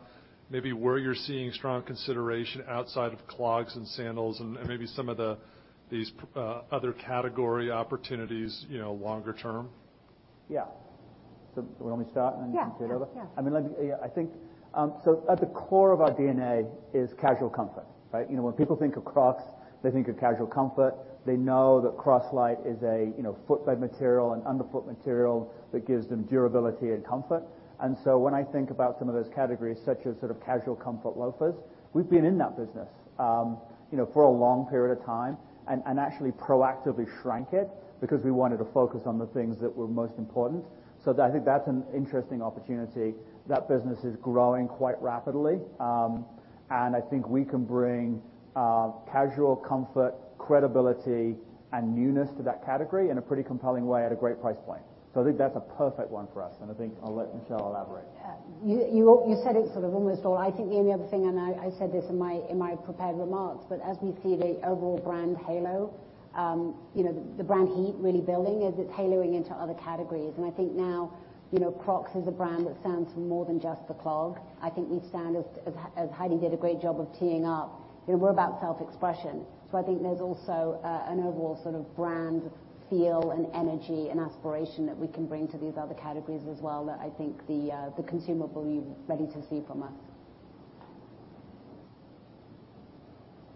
S10: maybe where you're seeing strong consideration outside of clogs and sandals and maybe some of these other category opportunities longer term?
S1: Yeah. Want me to start and then you can take over?
S2: Yeah.
S1: I think, at the core of our DNA is casual comfort, right? When people think of Crocs, they think of casual comfort. They know that Croslite is a footbed material, an underfoot material that gives them durability and comfort. When I think about some of those categories, such as sort of casual comfort loafers, we've been in that business for a long period of time, and actually proactively shrank it because we wanted to focus on the things that were most important. I think that's an interesting opportunity. That business is growing quite rapidly. I think we can bring casual comfort, credibility, and newness to that category in a pretty compelling way at a great price point. I think that's a perfect one for us, and I think I'll let Michelle elaborate.
S2: Yeah. You said it sort of almost all. I think the only other thing, I said this in my prepared remarks, but as we see the overall brand halo, the brand heat really building as it's haloing into other categories. I think now Crocs is a brand that stands for more than just a clog. I think we stand as Heidi did a great job of teeing up, we're about self-expression. I think there's also an overall sort of brand feel and energy and aspiration that we can bring to these other categories as well that I think the consumer will be ready to see from us.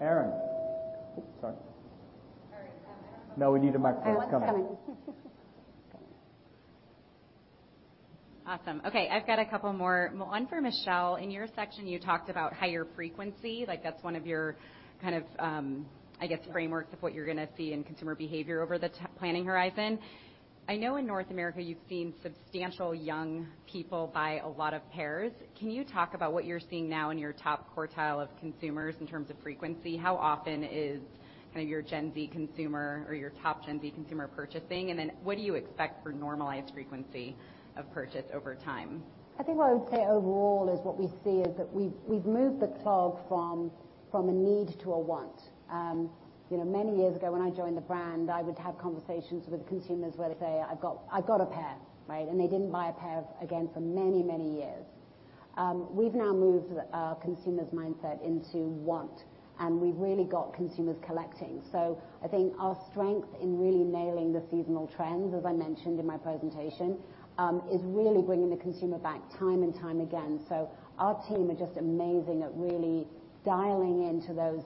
S7: Erinn. Oops, sorry. Erinn's coming. No, we need a microphone. It's coming. Erinn's coming.
S8: Awesome. Okay, I've got a couple more. One for Michelle. In your section, you talked about higher frequency. That's one of your kind of, I guess, frameworks.
S2: Yeah
S8: of what you're going to see in consumer behavior over the planning horizon. I know in North America you've seen substantial young people buy a lot of pairs. Can you talk about what you're seeing now in your top quartile of consumers in terms of frequency? How often is your Gen Z consumer or your top Gen Z consumer purchasing, and then what do you expect for normalized frequency of purchase over time?
S2: I think what I would say overall is what we see is that we've moved the clog from a need to a want. Many years ago when I joined the brand, I would have conversations with consumers where they say, "I've got a pair," right? They didn't buy a pair again for many, many years. We've now moved our consumers' mindset into want, and we've really got consumers collecting. I think our strength in really nailing the seasonal trends, as I mentioned in my presentation, is really bringing the consumer back time and time again. Our team are just amazing at really dialing into those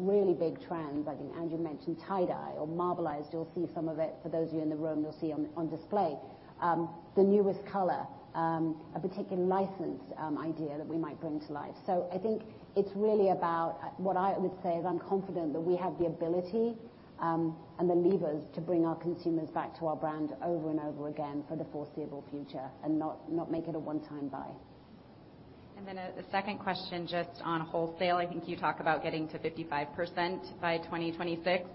S2: really big trends. I think Andrew mentioned tie-dye or marbleized. You'll see some of it. For those of you in the room, you'll see on display the newest color, a particular licensed idea that we might bring to life. I think it's really about, what I would say, is I'm confident that we have the ability, and the levers to bring our consumers back to our brand over and over again for the foreseeable future and not make it a one-time buy.
S8: Then the second question, just on wholesale, I think you talk about getting to 55% by 2026.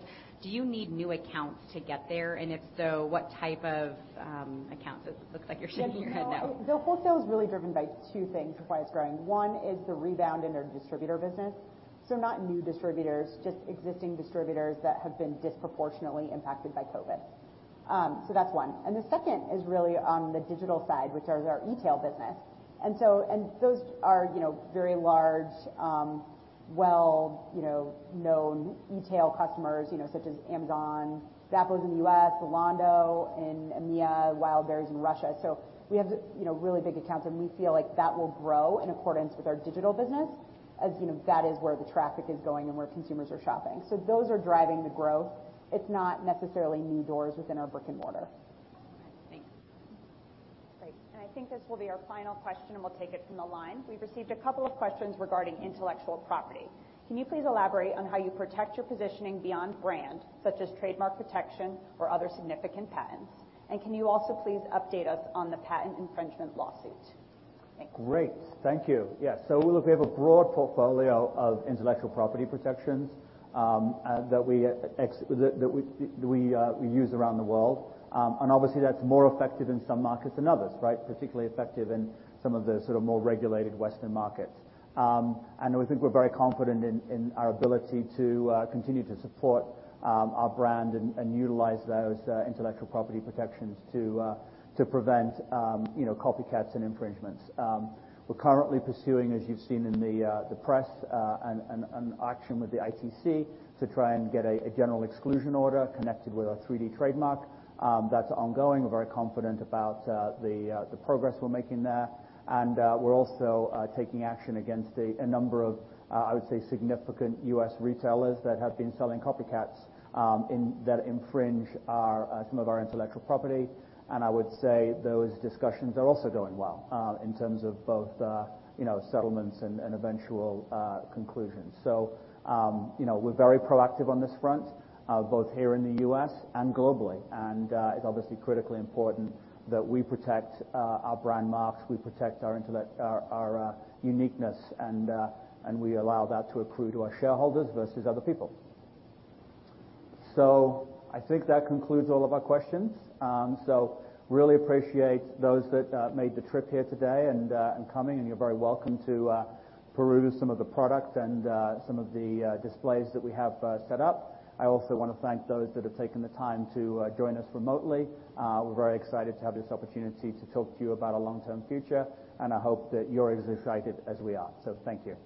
S8: Do you need new accounts to get there? If so, what type of accounts? It looks like you're shaking your head no.
S7: No. The wholesale is really driven by two things for why it's growing. Not new distributors, just existing distributors that have been disproportionately impacted by COVID. That's one. The second is really on the digital side, which is our e-tail business. Those are very large, well-known e-tail customers, such as Amazon, Zappos in the U.S., Zalando in EMEA, Wildberries in Russia. We have really big accounts, and we feel like that will grow in accordance with our digital business, as you know that is where the traffic is going and where consumers are shopping. Those are driving the growth. It's not necessarily new doors within our brick and mortar.
S8: All right. Thank you.
S11: Great. I think this will be our final question, and we'll take it from the line. We've received a couple of questions regarding intellectual property. Can you please elaborate on how you protect your positioning beyond brand, such as trademark protection or other significant patents? Can you also please update us on the patent infringement lawsuit? Thank you.
S1: Great. Thank you. Yes. Look, we have a broad portfolio of intellectual property protections, that we use around the world. Obviously, that's more effective in some markets than others, right? Particularly effective in some of the sort of more regulated Western markets. We think we're very confident in our ability to continue to support our brand and utilize those intellectual property protections to prevent copycats and infringements. We're currently pursuing, as you've seen in the press, an action with the ITC to try and get a general exclusion order connected with our 3D trademark. That's ongoing. We're very confident about the progress we're making there. We're also taking action against a number of, I would say, significant U.S. retailers that have been selling copycats that infringe some of our intellectual property. I would say those discussions are also going well in terms of both settlements and eventual conclusions. We're very proactive on this front, both here in the U.S. and globally. It's obviously critically important that we protect our brand marks, we protect our uniqueness, and we allow that to accrue to our shareholders versus other people. I think that concludes all of our questions. Really appreciate those that made the trip here today and coming, and you're very welcome to peruse some of the products and some of the displays that we have set up. I also want to thank those that have taken the time to join us remotely. We're very excited to have this opportunity to talk to you about our long-term future, and I hope that you're as excited as we are. Thank you.